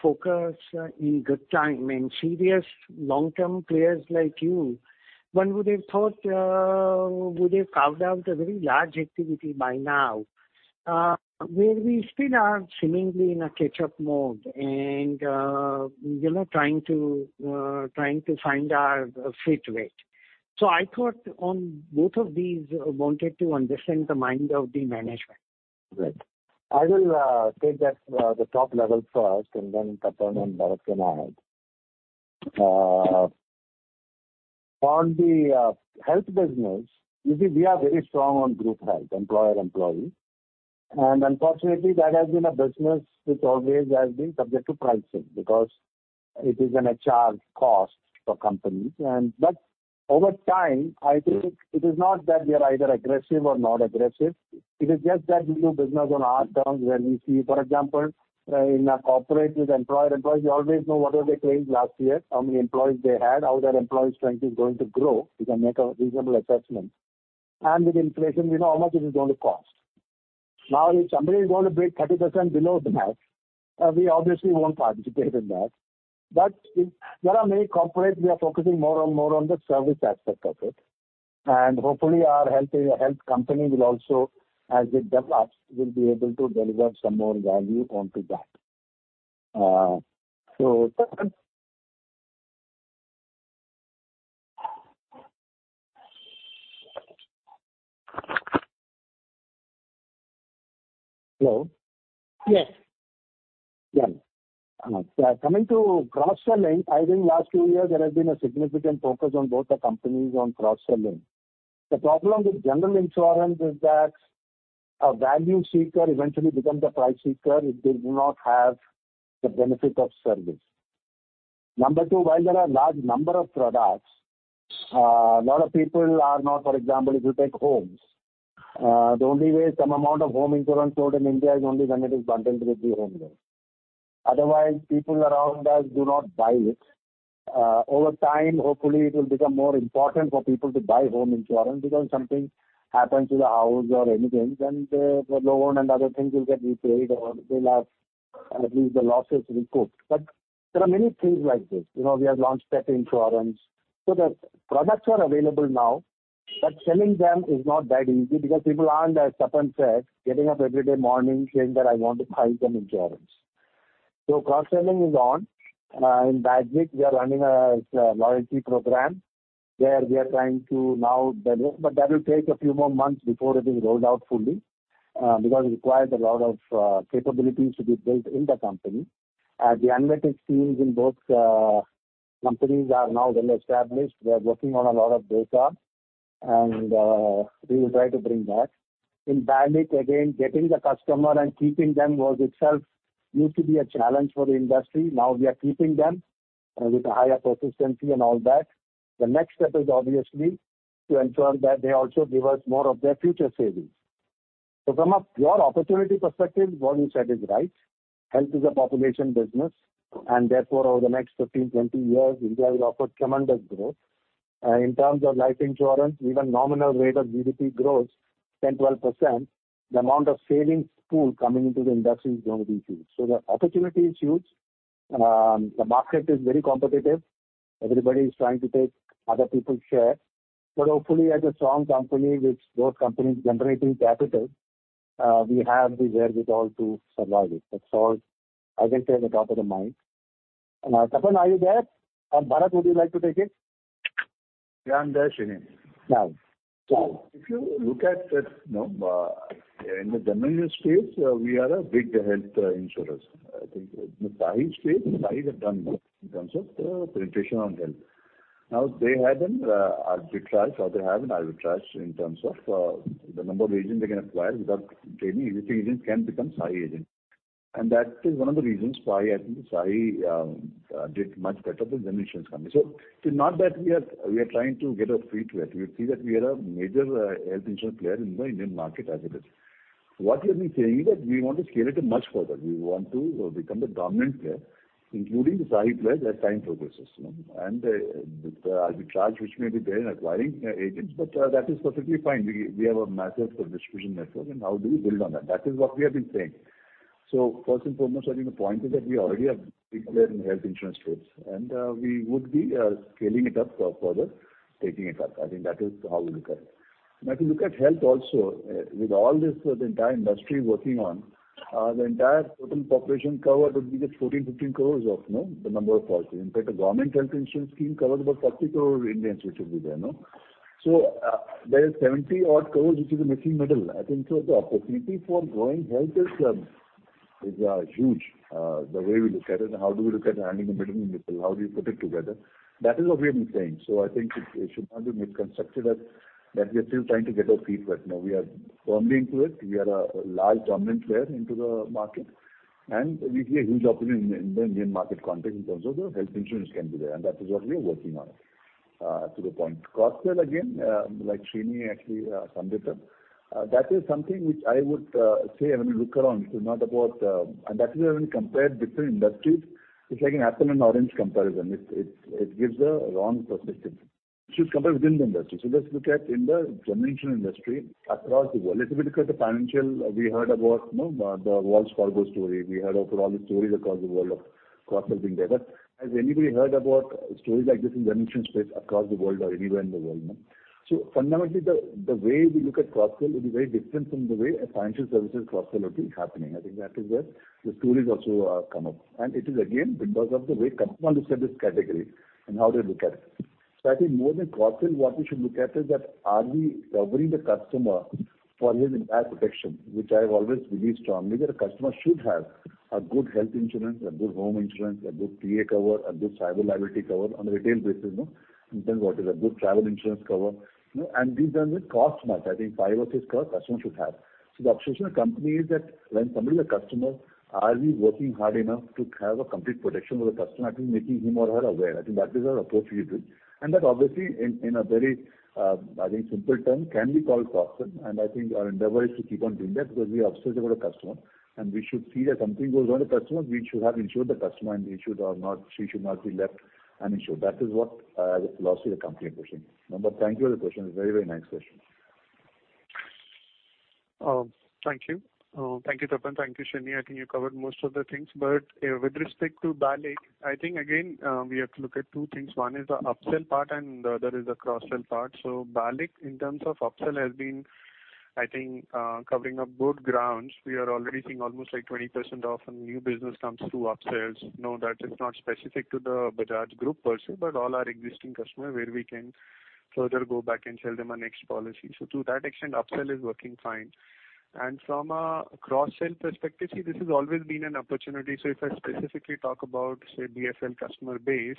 focus in good time and serious long-term players like you, one would have thought would have carved out a very large activity by now, where we still are seemingly in a catch-up mode and, you know, trying to find our fit rate. I thought on both of these, wanted to understand the mind of the management. Right. I will take that, the top level first, and then Tapan and Bharat can add. On the health business, you see we are very strong on group health, employer-employee. Unfortunately, that has been a business which always has been subject to pricing because it is an HR cost for companies. Over time, I think it is not that we are either aggressive or not aggressive. It is just that we do business on our terms where we see, for example, in a corporate with employer-employee, we always know what was their claims last year, how many employees they had, how their employee strength is going to grow. We can make a reasonable assessment. With inflation, we know how much it is going to cost. Now, if somebody is going to bid 30% below that, we obviously won't participate in that. But there are many corporates we are focusing more and more on the service aspect of it. And hopefully our health company will also, as it develops, will be able to deliver some more value onto that. So Tapan. Hello. Yes. Yeah. Coming to cross-selling, I think last two years there has been a significant focus on both the companies on cross-selling. The problem with general insurance is that a value seeker eventually becomes a price seeker if they do not have the benefit of service. Number 2, while there are large number of products, a lot of people are not, for example, if you take homes, the only way some amount of home insurance sold in India is only when it is bundled with the home loan. Otherwise, people around us do not buy it. Over time, hopefully it will become more important for people to buy home insurance because something happens to the house or anything, then the loan and other things will get repaid or they'll have at least the losses recouped. There are many things like this. You know, we have launched pet insurance. The products are available now, but selling them is not that easy because people aren't, as Tapan said, getting up every day morning saying that I want to buy some insurance. Cross-selling is on. In BALIC we are running a loyalty program where we are trying to now deliver, but that will take a few more months before it is rolled out fully, because it requires a lot of capabilities to be built in the company. The analytics teams in both companies are now well established. They are working on a lot of data and we will try to bring that. In BALIC, again, getting the customer and keeping them was itself used to be a challenge for the industry. Now we are keeping them with a higher persistency and all that. The next step is obviously to ensure that they also give us more of their future savings. From a pure opportunity perspective, what you said is right. Health is a population business, and therefore over the next 15-20 years India will offer tremendous growth. In terms of life insurance, even nominal rate of GDP growth, 10%-12%, the amount of savings pool coming into the industry is going to be huge. The opportunity is huge. The market is very competitive. Everybody is trying to take other people's share. Hopefully as a strong company with both companies generating capital, we have the wherewithal to survive it. That's all I can say at the top of the mind. Tapan, are you there? Bharat, would you like to take it? Yeah, I'm there, Sreeni. Yeah. Go on. If you look at it, you know, in the general space, we are a big health insurers. I think in the SAHI space, SAHI have done well in terms of penetration on health. Now they had an arbitrage or they have an arbitrage in terms of the number of agent they can acquire without training. Any agent can become SAHI agent. That is one of the reasons SAHI, I think, did much better than general insurance company. It's not that we are trying to get a free ride. We see that we are a major health insurance player in the Indian market as it is. What we have been saying is that we want to scale it much further. We want to become the dominant player, including the SAHI players as time progresses, you know. The arbitrage which may be there in acquiring agents, but, that is perfectly fine. We have a massive distribution network and how do we build on that? That is what we have been saying. First and foremost, I think the point is that we already are big player in health insurance space, and, we would be, scaling it up for further taking it up. I think that is how we look at it. Now if you look at health also, with all this, the entire industry working on, the entire total population covered would be just 14-15 crores of, you know, the number of policy. In fact, the government health insurance scheme covers about 30 crore Indians which will be there, no? There is 70-odd crores which is the missing middle. I think so the opportunity for growing health is huge. The way we look at it and how do we look at handling the missing middle, how do you put it together? That is what we have been saying. I think it should not be misconstrued as that we are still trying to get our feet wet. No, we are firmly into it. We are a large prominent player into the market, and we see a huge opportunity in the Indian market context in terms of the health insurance can be there. That is what we are working on to the point. Cross-sell again, like Sreeni actually summed it up. That is something which I would say when you look around it is not about. That is why when compared different industries, it's like an apple and orange comparison. It gives a wrong perspective. You should compare within the industry. Let's look at the general insurance industry across the world. Let's say we look at the financial, we heard about, you know, the Wells Fargo story. We heard of all the stories across the world of cross-sell being there. But has anybody heard about stories like this in general insurance space across the world or anywhere in the world, no? Fundamentally, the way we look at cross-sell will be very different from the way a financial services cross-sell would be happening. I think that is where the stories also come up. It is again because of the way customers want to see this category and how they look at it. I think more than cross-sell, what we should look at is that are we covering the customer for his entire protection, which I've always believed strongly that a customer should have a good health insurance, a good home insurance, a good PA cover, a good cyber liability cover on a retail basis, no? In terms of what is a good travel insurance cover, you know. These don't cost much. I think five or six covers a customer should have. The obsession of the company is that when somebody's a customer, are we working hard enough to have a complete protection for the customer after making him or her aware? I think that is our approach we take. That obviously in a very, I think, simple term can be called cross-sell. I think our endeavor is to keep on doing that because we are obsessed about a customer, and we should see that something goes wrong with the customer, we should have insured the customer and she should not be left uninsured. That is what the philosophy of the company is pushing. No, but thank you for the question. It's a very, very nice question. Thank you. Thank you, Tapan. Thank you, Sreeni. I think you covered most of the things. With respect to BALIC, I think again, we have to look at two things. One is the upsell part and the other is the cross-sell part. BALIC in terms of upsell has been, I think, covering good ground. We are already seeing almost like 20% of new business comes through upsells. No, that is not specific to the Bajaj Group per se, but all our existing customers where we can further go back and sell them a next policy. To that extent, upsell is working fine. From a cross-sell perspective, see, this has always been an opportunity. If I specifically talk about, say, BFL customer base,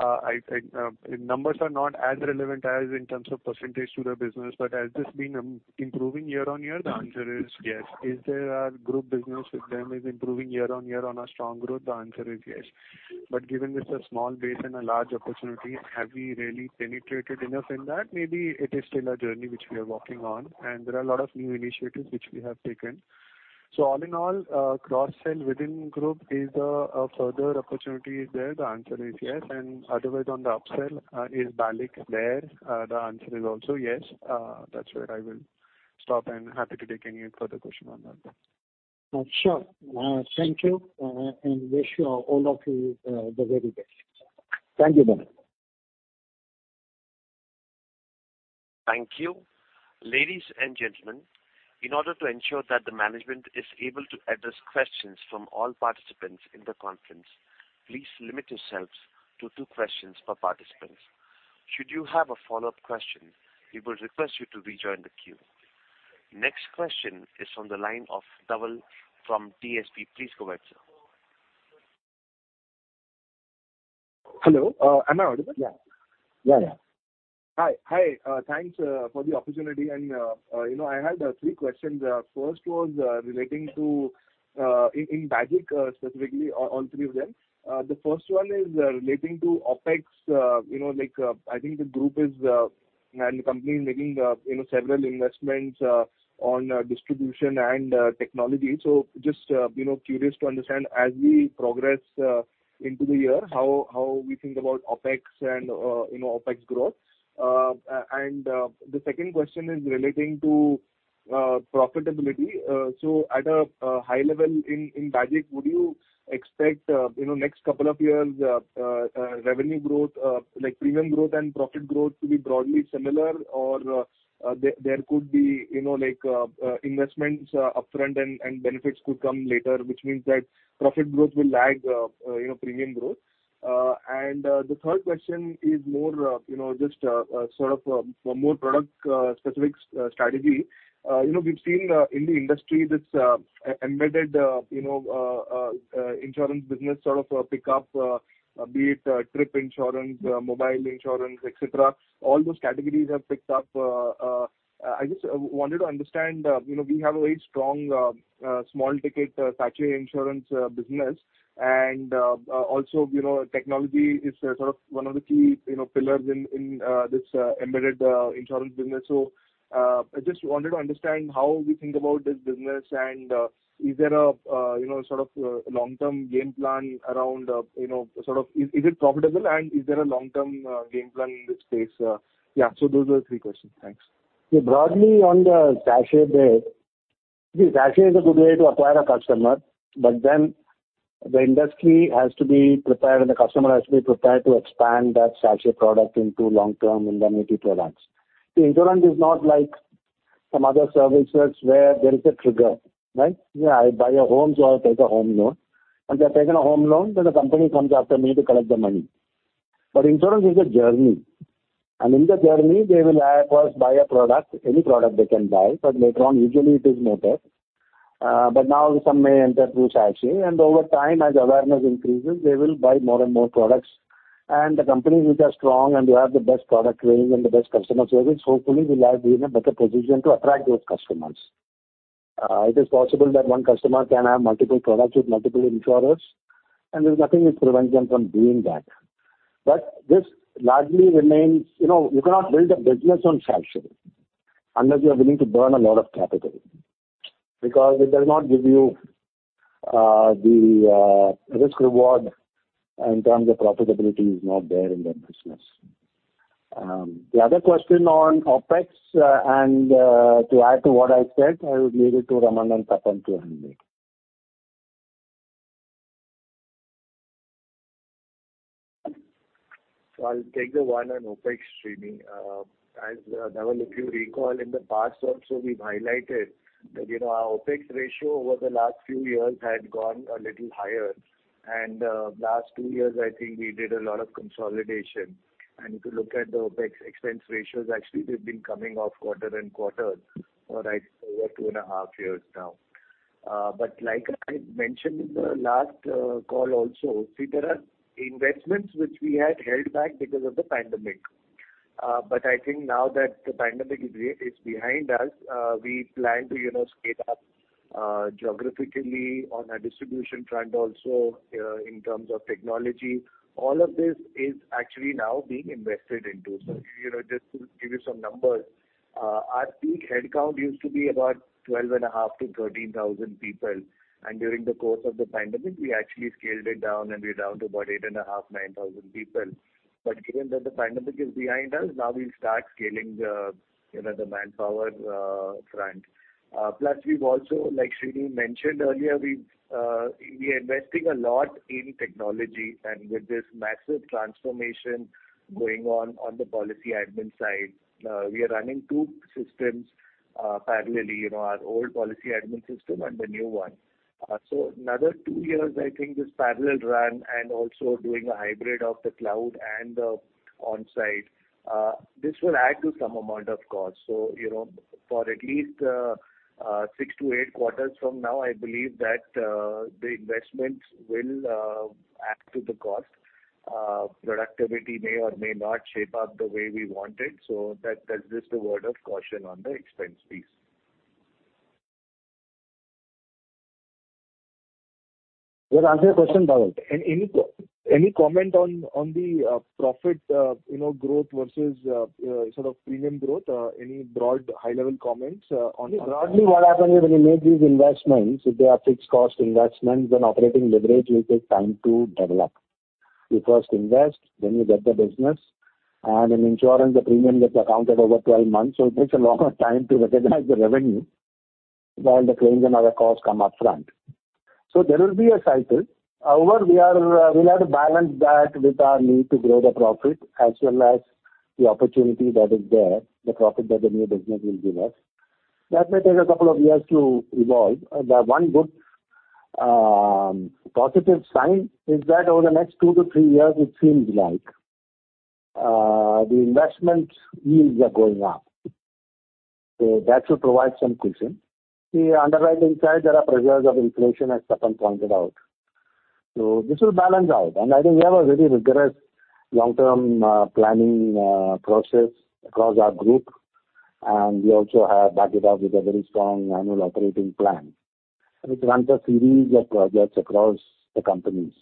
I think numbers are not as relevant as in terms of percentage to the business. Has this been improving year on year? The answer is yes. Is there a group business with them is improving year on year on a strong growth? The answer is yes. Given this a small base and a large opportunity, have we really penetrated enough in that? Maybe it is still a journey which we are working on, and there are a lot of new initiatives which we have taken. All in all, cross-sell within group is a further opportunity is there? The answer is yes. Otherwise on the upsell, is BALIC there? The answer is also yes. That's where I will stop and happy to take any further question on that note. Sure. Thank you. Wish all of you the very best. Thank you very much. Thank you. Ladies and gentlemen, in order to ensure that the management is able to address questions from all participants in the conference, please limit yourselves to two questions per participant. Should you have a follow-up question, we will request you to rejoin the queue. Next question is on the line of Dhaval from DSP. Please go ahead, sir. Hello, am I audible? Yeah. Yeah, yeah. Hi. Thanks for the opportunity. You know, I had three questions. First was relating to in Bajaj, specifically on all three of them. The first one is relating to OpEx. You know, like, I think the group is and the company is making you know, several investments on distribution and technology. Just you know, curious to understand as we progress into the year, how we think about OpEx and you know, OpEx growth. And the second question is relating to profitability. At a high level in Bajaj, would you expect you know, next couple of years, revenue growth like premium growth and profit growth to be broadly similar? There could be, you know, like, investments upfront and benefits could come later, which means that profit growth will lag, you know, premium growth. The third question is more, you know, just sort of more product specific strategy. You know, we've seen in the industry this embedded, you know, insurance business sort of pick up, be it trip insurance, mobile insurance, et cetera. All those categories have picked up. I just wanted to understand, you know, we have a very strong small ticket casualty insurance business. Also, you know, technology is sort of one of the key, you know, pillars in this embedded insurance business. I just wanted to understand how we think about this business, and, is there a, you know, sort of, long-term game plan around, you know, sort of is it profitable and is there a long-term, game plan in this space? Yeah, those were the three questions. Thanks. Yeah, broadly on the casualty. See, sachet is a good way to acquire a customer, but then the industry has to be prepared and the customer has to be prepared to expand that sachet product into long-term indemnity products. The insurance is not like some other services where there is a trigger, right? You know, I buy a home, so I'll take a home loan, and they've taken a home loan, then the company comes after me to collect the money. Insurance is a journey, and in the journey they will of course buy a product, any product they can buy, but later on usually it is motor. Now some may enter through sachet, and over time, as awareness increases, they will buy more and more products. The companies which are strong and who have the best product range and the best customer service hopefully will be in a better position to attract those customers. It is possible that one customer can have multiple products with multiple insurers, and there's nothing which prevents them from doing that. This largely remains. You know, you cannot build a business on sachet unless you are willing to burn a lot of capital because it does not give you the risk reward in terms of profitability is not there in that business. The other question on OpEx and to add to what I said, I would leave it to Raman and Tapan to handle. I'll take the one on OpEx, Sreeni. Dhaval, if you recall in the past also we've highlighted that, you know, our OpEx ratio over the last few years had gone a little higher and the last two years I think we did a lot of consolidation. If you look at the OpEx expense ratios, actually they've been coming off quarter-on-quarter for, I'd say, over two and a half years now. Like I mentioned in the last call also, there are investments which we had held back because of the pandemic. I think now that the pandemic is behind us, we plan to, you know, scale up geographically on our distribution front, also in terms of technology. All of this is actually now being invested into. You know, just to give you some numbers, our peak headcount used to be about 12.5-13,000 people, and during the course of the pandemic, we actually scaled it down and we're down to about 8.5-9,000 people. Given that the pandemic is behind us, now we'll start scaling the manpower front. Plus we've also, like Sreeni mentioned earlier, we're investing a lot in technology and with this massive transformation going on on the policy admin side. We are running two systems parallelly, you know, our old policy admin system and the new one. Another 2 years I think this parallel run and also doing a hybrid of the cloud and the on-site, this will add to some amount of cost. you know, for at least 6-8 quarters from now, I believe that the investments will add to the cost. Productivity may or may not shape up the way we want it, so that's just a word of caution on the expense piece. We'll answer your question, Dhaval. Any comment on the profit, you know, growth versus sort of premium growth? Any broad high-level comments on? Broadly what happens is when you make these investments, if they are fixed cost investments, then operating leverage will take time to develop. You first invest, then you get the business, and in insurance the premium gets accounted over 12 months, so it takes a longer time to recognize the revenue while the claims and other costs come up front. There will be a cycle. However, we'll have to balance that with our need to grow the profit as well as the opportunity that is there, the profit that the new business will give us. That may take a couple of years to evolve. The one good positive sign is that over the next 2-3 years, it seems like the investment yields are going up. That should provide some cushion. See, underwriting side, there are pressures of inflation, as Tapan pointed out. This will balance out. I think we have a very rigorous long-term planning process across our group, and we also have backed it up with a very strong annual operating plan, which runs a series of projects across the companies.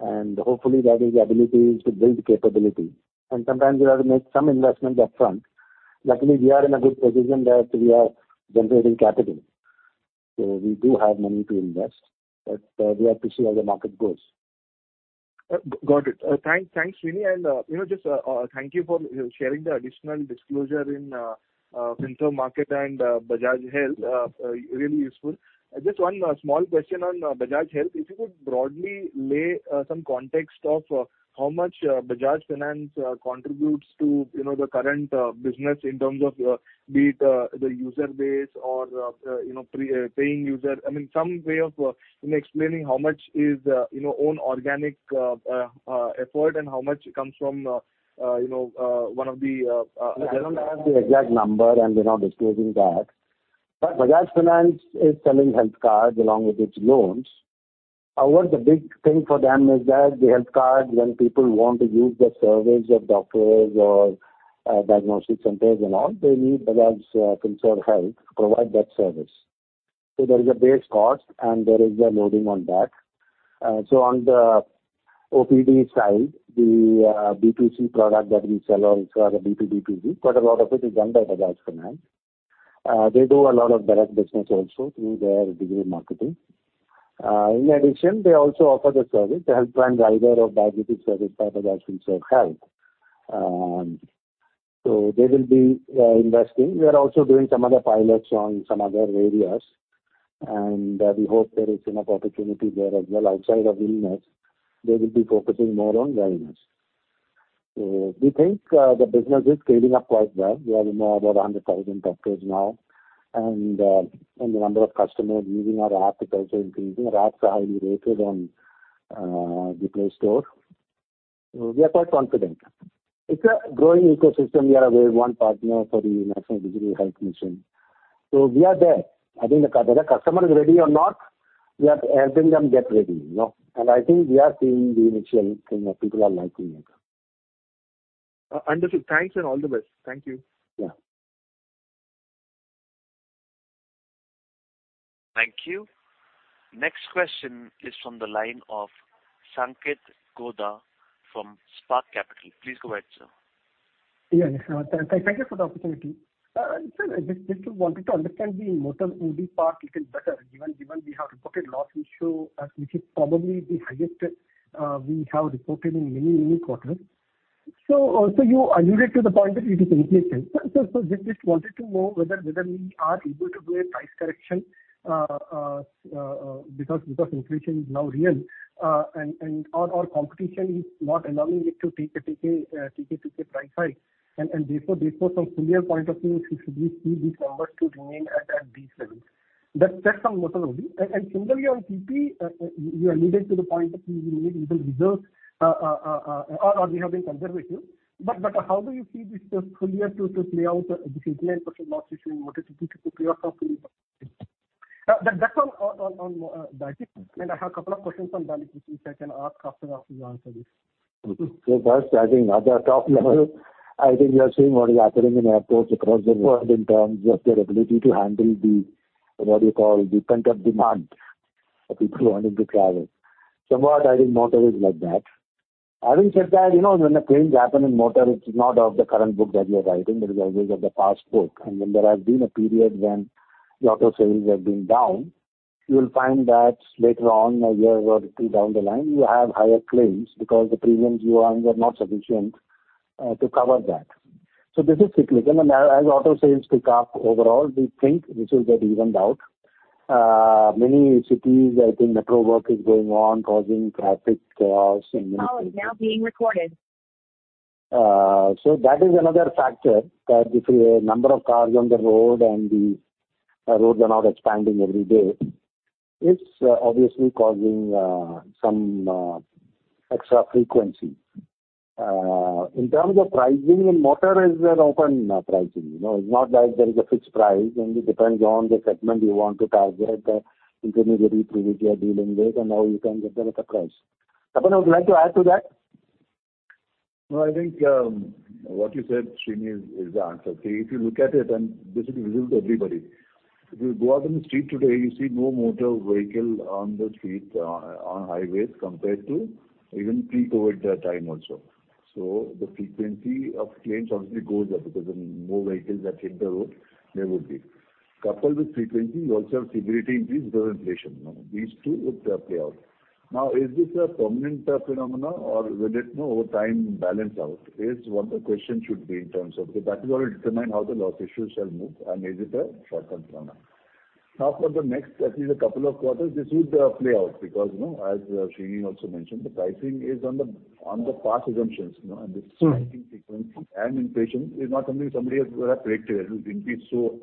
Hopefully that is the ability to build capability. Sometimes you have to make some investments up front. Luckily, we are in a good position that we are generating capital. We do have money to invest, but we have to see how the market goes. Got it. Thanks, Sreeni. Thank you for sharing the additional disclosure in Finserv Markets and Bajaj Finserv Health. Really useful. Just one small question on Bajaj Finserv Health. If you could broadly lay some context of how much Bajaj Finance contributes to the current business in terms of be it the user base or you know paying user. I mean, some way of explaining how much is own organic effort and how much comes from one of the. We don't have the exact number and we're not disclosing that. Bajaj Finance is selling health cards along with its loans. However, the big thing for them is that the health card, when people want to use the service of doctors or, diagnostic centers and all, they need Bajaj Finserv Health to provide that service. There is a base cost and there is a loading on that. On the OPD side, the B2C product that we sell also has a B2B2C, but a lot of it is done by Bajaj Finance. They do a lot of direct business also through their digital marketing. In addition, they also offer the service, the health plan or the diagnostic service by Bajaj Finserv Health. They will be investing. We are also doing some other pilots on some other areas, and we hope there is enough opportunity there as well outside of illness. They will be focusing more on wellness. We think, the business is scaling up quite well. We have about 100,000 doctors now, and the number of customers using our app is also increasing. Our apps are highly rated on, the Play Store. We are quite confident. It's a growing ecosystem. We are, one partner for the National Digital Health Mission. We are there. I think whether the customer is ready or not, we are helping them get ready, you know. I think we are seeing the initial thing of people are liking it. Understood. Thanks and all the best. Thank you. Yeah. Thank you. Next question is from the line of Sanketh Godha from Spark Capital. Please go ahead, sir. Yes. Thank you for the opportunity. Sir, just wanted to understand the motor only part little better, given we have reported loss ratio, which is probably the highest we have reported in many quarters. You alluded to the point that it is inflation. Just wanted to know whether we are able to do a price correction, because inflation is now real, and our competition is not allowing it to take a price hike. Therefore, from full year point of view, should we see these numbers to remain at these levels? That's on motor only. Similarly on TP, you alluded to the point that we need little reserves or we have been conservative. How do you see this just full year to play out this 18% loss issue in motor TP to clear some. That, that's all on that. I have a couple of questions on health, which I can ask after you answer this. First, I think at the top level, I think you are seeing what is happening in airports across the world in terms of their ability to handle the, what do you call, the pent-up demand of people wanting to travel. Somewhat, I think motor is like that. Having said that, you know, when the claims happen in motor, it's not of the current book that you are writing, but it's always of the past book. When there has been a period when the auto sales have been down, you'll find that later on, a year or two down the line, you have higher claims because the premiums you earned were not sufficient to cover that. This is cyclical. As auto sales pick up overall, we think this will get evened out. Many cities, I think metro work is going on, causing traffic chaos. Call is now being recorded. That is another factor, that if a number of cars on the road and the roads are not expanding every day, it's obviously causing some extra frequency. In terms of pricing, in motor is an open pricing. You know, it's not like there is a fixed price, and it depends on the segment you want to target, the intermediary premium you are dealing with, and how you can get the better price. Tapan, would you like to add to that? No, I think what you said, Sreeni, is the answer. See, if you look at it, and this is visible to everybody, if you go out on the street today, you see more motor vehicle on the street, on highways compared to even pre-COVID time also. So the frequency of claims obviously goes up because the more vehicles that hit the road, there would be. Coupled with frequency, you also have severity increase because of inflation. You know, these two would play out. Now, is this a permanent phenomena or will it, you know, over time balance out is what the question should be in terms of because that is what will determine how the loss issues shall move, and is it a short-term phenomena. Now for the next at least a couple of quarters, this would play out because, you know, as Sreeni also mentioned, the pricing is on the past assumptions, you know. Mm-hmm. This pricing frequency and inflation is not something somebody has predicted. It will be so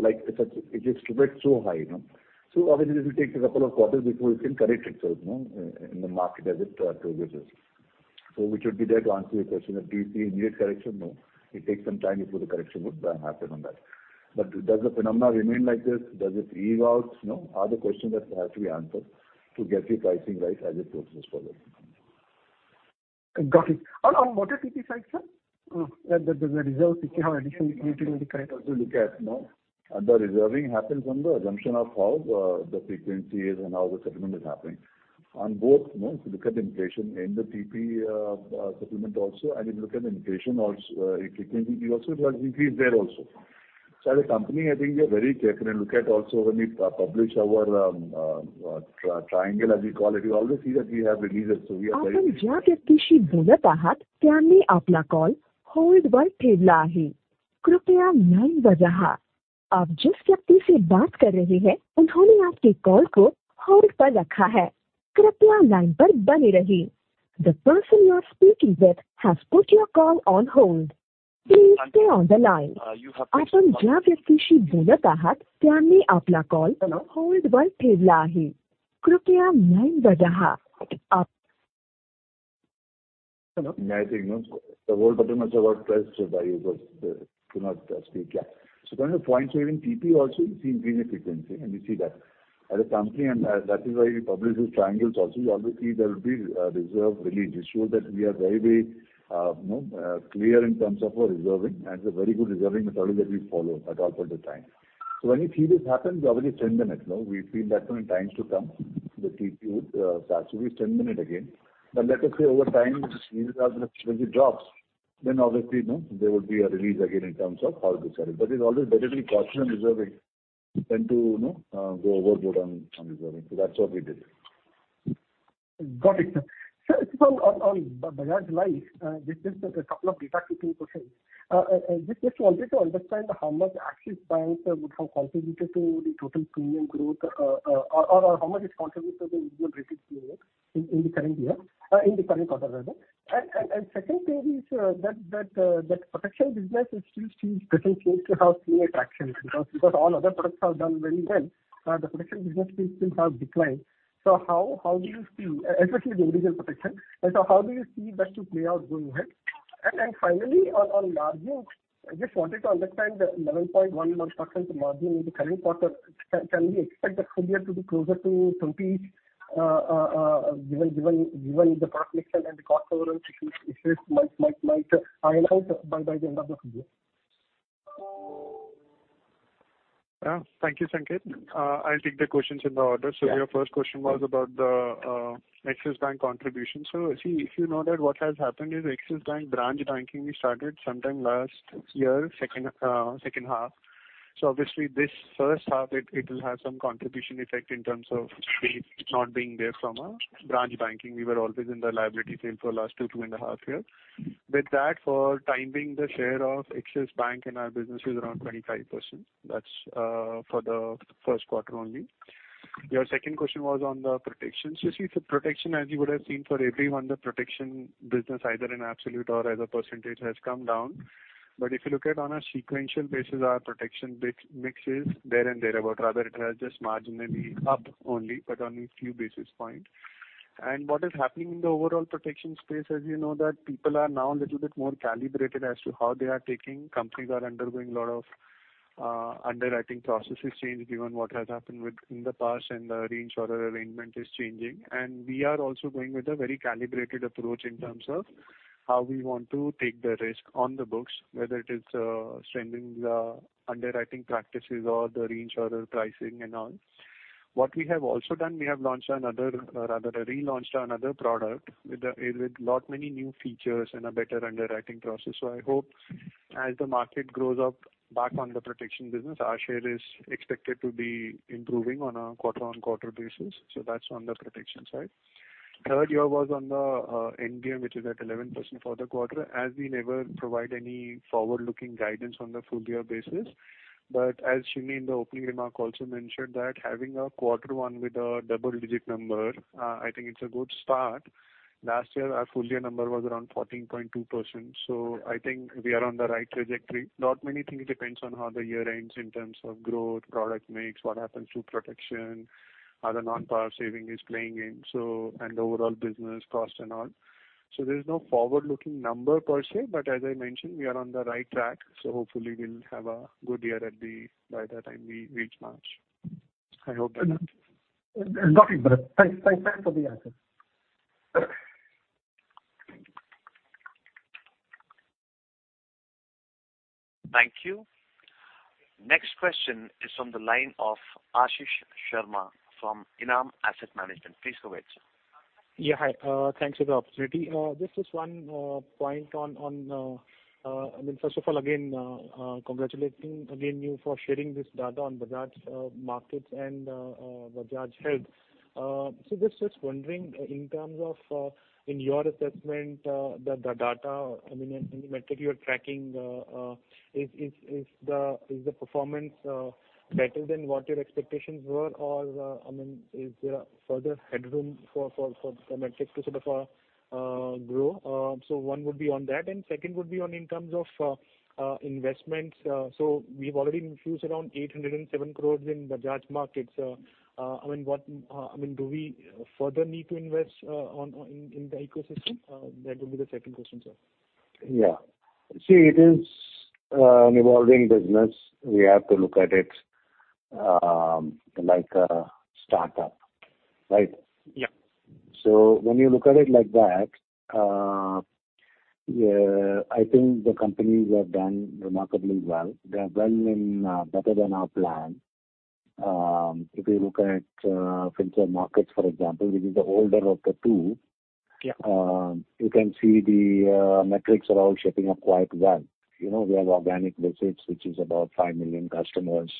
like if it just jumped so high, you know. Obviously this will take a couple of quarters before it can correct itself, you know, and the market has it to give this. We should be there to answer your question of do you see immediate correction? No. It takes some time before the correction would happen on that. Does the phenomena remain like this? Does it even out? You know, are the questions that have to be answered to get the pricing right as it goes this further. Got it. On motor TP side, sir, does the reserve which you have additionally created will be correct also? If you look at, you know, the reserving happens on the assumption of how the frequency is and how the settlement is happening. On both, you know, if you look at inflation in the TP settlement also, and if you look at inflation also, if you can see also, it has increased there also. So as a company, I think we are very careful. Look at also when we publish our triangle as we call it, you always see that we have released it. So we are very- The person you are speaking with has put your call on hold. Please stay on the line. Hello? Hello? No, I think, you know, the hold button must have got pressed by you because could not speak. Yeah. Coming to your point, even TP also, you see increase in frequency, and you see that. As a company, and that is why we publish these triangles also. You always see there will be reserve release. This shows that we are very, you know, clear in terms of our reserving, and it's a very good reserving methodology that we follow at all point of time. When you see this happen, we obviously strengthen it. No? We feel that in times to come, the TP would starts to be strengthened again. Let us say over time, these reserves, when it drops, then obviously, you know, there would be a release again in terms of all this. It's always better to be cautious in reserving than to, you know, go overboard on reserving. That's what we believe. Got it, sir. On Bajaj Life, just a couple of housekeeping questions. Just wanted to understand how much Axis Bank would have contributed to the total premium growth, or how much it contributed to the individual business unit in the current year, in the current quarter rather. Secondly, is that protection business still because all other products have done very well. The protection business still has declined. How do you feel, especially the original protection, and so how do you see that to play out going ahead? Finally on margins, I just wanted to understand the 11.11% margin in the current quarter. Can we expect the full year to be closer to 20%, given the product mix and the cost overall issues might be analyzed by the end of the full year? Yeah. Thank you, Sanketh. I'll take the questions in the order. Yeah. Your first question was about the Axis Bank contribution. See, if you know that what has happened is Axis Bank branch banking, we started sometime last year, second half. Obviously this first half it will have some contribution effect in terms of fees not being there from our branch banking. We were always in the liability fee for the last two and a half year. With that, for the time being, the share of Axis Bank in our business is around 25%. That's for the first quarter only. Your second question was on the protection. See, protection as you would have seen for everyone, the protection business either in absolute or as a percentage has come down. If you look at on a sequential basis, our protection mix is there and thereabout. Rather it has just marginally up only, but only a few basis points. What is happening in the overall protection space, as you know that people are now a little bit more calibrated as to how they are taking. Companies are undergoing a lot of underwriting processes change given what has happened within the past and the reinsurer arrangement is changing. We are also going with a very calibrated approach in terms of how we want to take the risk on the books, whether it is strengthening the underwriting practices or the reinsurer pricing and all. What we have also done, we have relaunched another product with a lot more new features and a better underwriting process. I hope as the market grows up back on the protection business, our share is expected to be improving on a quarter-on-quarter basis. That's on the protection side. 30-year endowment, which is at 11% for the quarter as we never provide any forward-looking guidance on the full year basis. S. Sreenivasan in the opening remark also mentioned that having a quarter one with a double-digit number, I think it's a good start. Last year our full year number was around 14.2%. I think we are on the right trajectory. Lot many things depends on how the year ends in terms of growth, product mix, what happens to protection, how the non-par saving is playing in, so and the overall business cost and all. There's no forward-looking number per se, but as I mentioned, we are on the right track, so hopefully we'll have a good year by the time we reach March. I hope that. Got it, Bharat. Thanks for the answers. Perfect. Thank you. Thank you. Next question is from the line of Ashish Sharma from ENAM Asset Management. Please go ahead, sir. Yeah, hi. Thanks for the opportunity. Just this one point on, I mean, first of all, again congratulating you for sharing this data on Bajaj Markets and Bajaj Finserv Health. Just wondering in terms of in your assessment the data, I mean, any metric you are tracking, is the performance better than what your expectations were? Or, I mean, is there further headroom for the metrics to sort of grow? One would be on that, and second would be on in terms of investments. We've already infused around 807 crore in Bajaj Markets. I mean, do we further need to invest in the ecosystem? That will be the second question, sir. Yeah. See, it is an evolving business. We have to look at it like a startup, right? Yeah. When you look at it like that, I think the companies have done remarkably well. They're well and better than our plan. If you look at Finserv Markets, for example, which is the older of the two. Yeah. You can see the metrics are all shaping up quite well. You know, we have organic visits, which is about 5 million customers.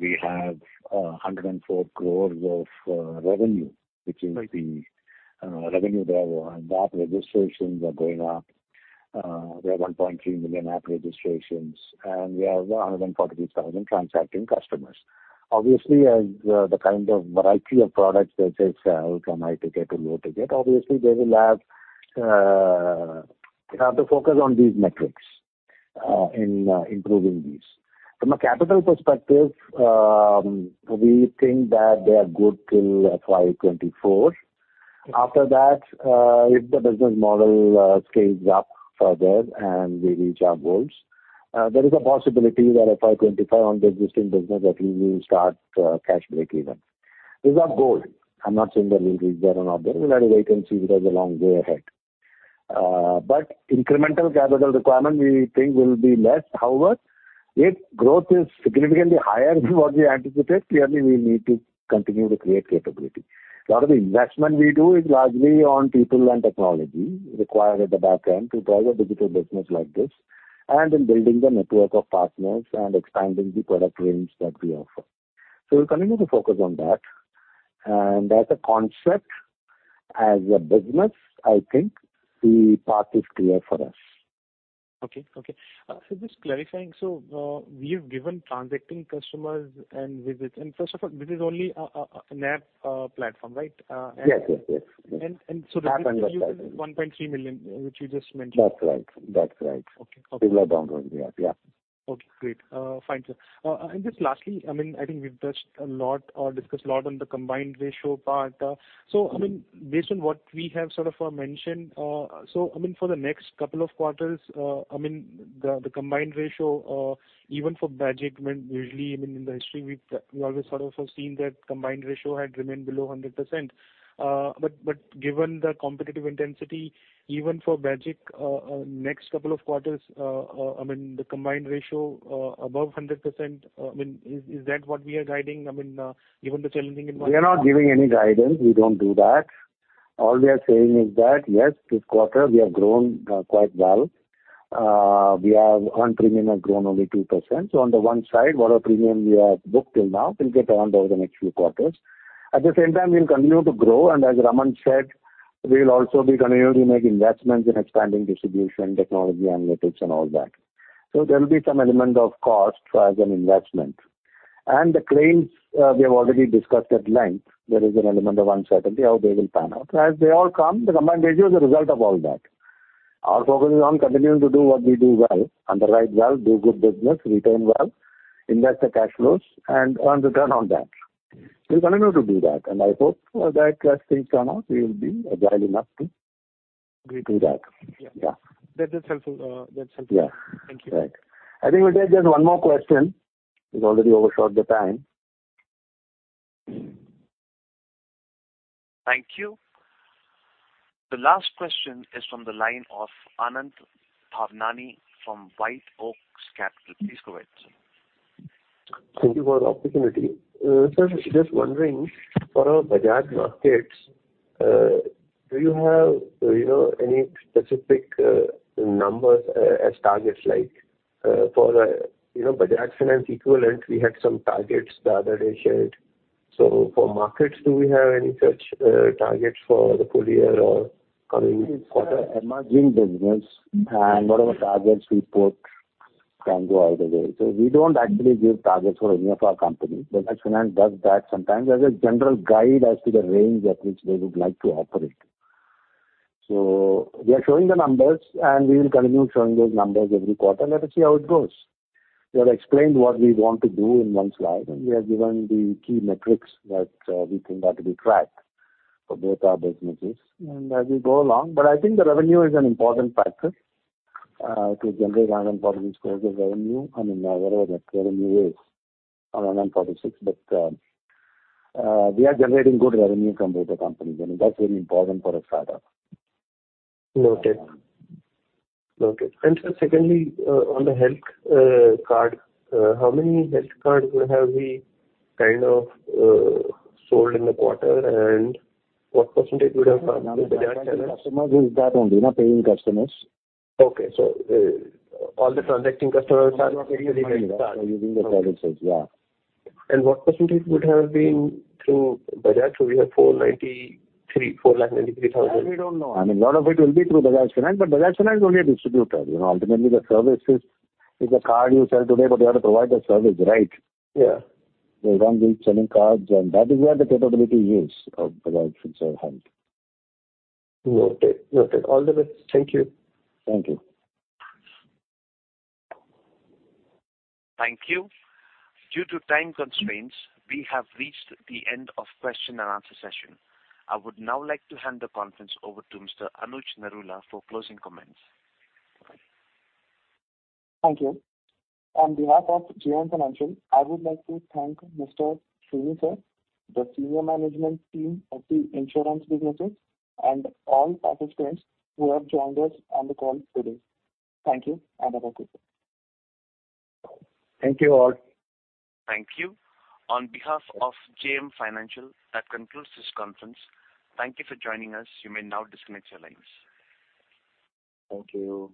We have 104 crores of revenue, which is the revenue driver. The registrations are going up. We have 1.3 million app registrations, and we have 143,000 transacting customers. Obviously, as the kind of variety of products that is from high ticket to low ticket, obviously they will have to focus on these metrics in improving these. From a capital perspective, we think that they are good till FY 2024. After that, if the business model scales up further and we reach our goals, there is a possibility that FY 25 on the existing business at least we will start cash breakeven. These are goals. I'm not saying that we'll reach there or not. There is a lot of vacancy. We have a long way ahead. Incremental capital requirement we think will be less. However, if growth is significantly higher than what we anticipate, clearly we need to continue to create capability. A lot of the investment we do is largely on people and technology required at the back end to drive a digital business like this, and in building the network of partners and expanding the product range that we offer. We'll continue to focus on that. As a business, I think the path is clear for us. Okay. So just clarifying, we have given transacting customers and visits. First of all, this is only a app platform, right? Yes, yes. And, and so- app and BALIC ...INR 1.3 million, which you just mentioned. That's right. That's right. Okay. Okay. People have downloaded the app. Yeah. Okay, great. Fine, sir. Just lastly, I mean, I think we've touched a lot or discussed a lot on the combined ratio part. I mean, based on what we have sort of mentioned, I mean, for the next couple of quarters, I mean, the combined ratio even for BALIC when usually, I mean, in the history we've always sort of have seen that combined ratio had remained below 100%. Given the competitive intensity even for BALIC, next couple of quarters, I mean, the combined ratio above 100%, I mean, is that what we are guiding, I mean, given the challenging environment? We are not giving any guidance. We don't do that. All we are saying is that, yes, this quarter we have grown quite well. We have earned premium has grown only 2%. On the one side, whatever premium we have booked till now will get earned over the next few quarters. At the same time, we'll continue to grow, and as Raman said, we'll also be continuing to make investments in expanding distribution, technology, analytics and all that. There will be some element of cost as an investment. The claims, we have already discussed at length. There is an element of uncertainty how they will pan out. As they all come, the combined ratio is a result of all that. Our focus is on continuing to do what we do well, underwrite well, do good business, return well, invest the cash flows and earn return on that. We'll continue to do that, and I hope that as things turn out we will be agile enough to. Agree Do that. Yeah. Yeah. That is helpful. That's helpful. Yeah. Thank you. Right. I think we'll take just one more question. We've already overshot the time. Thank you. The last question is from the line of Anand Bhavnani from White Oak Capital. Please go ahead, sir. Thank you for the opportunity. Sir, just wondering, for our Bajaj Markets, do you have, you know, any specific numbers as targets like, for, you know, Bajaj Finance equivalent we had some targets the other day shared. For Markets, do we have any such targets for the full year or coming quarter? It's an emerging business and whatever targets we put can go out of the way. We don't actually give targets for any of our company. Bajaj Finance does that sometimes as a general guide as to the range at which they would like to operate. We are showing the numbers, and we will continue showing those numbers every quarter. Let us see how it goes. We have explained what we want to do in one slide, and we have given the key metrics that we think are to be tracked for both our businesses and as we go along. I think the revenue is an important factor to generate 9.46 crores of revenue. I mean, whatever that revenue is on 9.46, but we are generating good revenue from both the companies, and that's very important for a startup. Noted. Noted. Sir, secondly, on the health card, how many health cards would have we kind of sold in the quarter, and what percentage would have been from Bajaj Finance? Customers is that only, not paying customers. All the transacting customers have- services. Yeah. What percentage would have been through Bajaj? We have 493 thousand. That we don't know. I mean, a lot of it will be through Bajaj Finance, but Bajaj Finance is only a distributor. You know, ultimately the services is a card you sell today, but they are the ones that provide the service, right? Yeah. We won't be selling cards and that is where the capability is of Bajaj Finserv Health. Noted. Noted. All the best. Thank you. Thank you. Thank you. Due to time constraints, we have reached the end of question and answer session. I would now like to hand the conference over to Mr. Anuj Narula for closing comments. Thank you. On behalf of JM Financial, I would like to thank Mr. Chugh sir, the senior management team of the insurance businesses and all participants who have joined us on the call today. Thank you and have a good day. Thank you all. Thank you. On behalf of JM Financial, that concludes this conference. Thank you for joining us. You may now disconnect your lines. Thank you.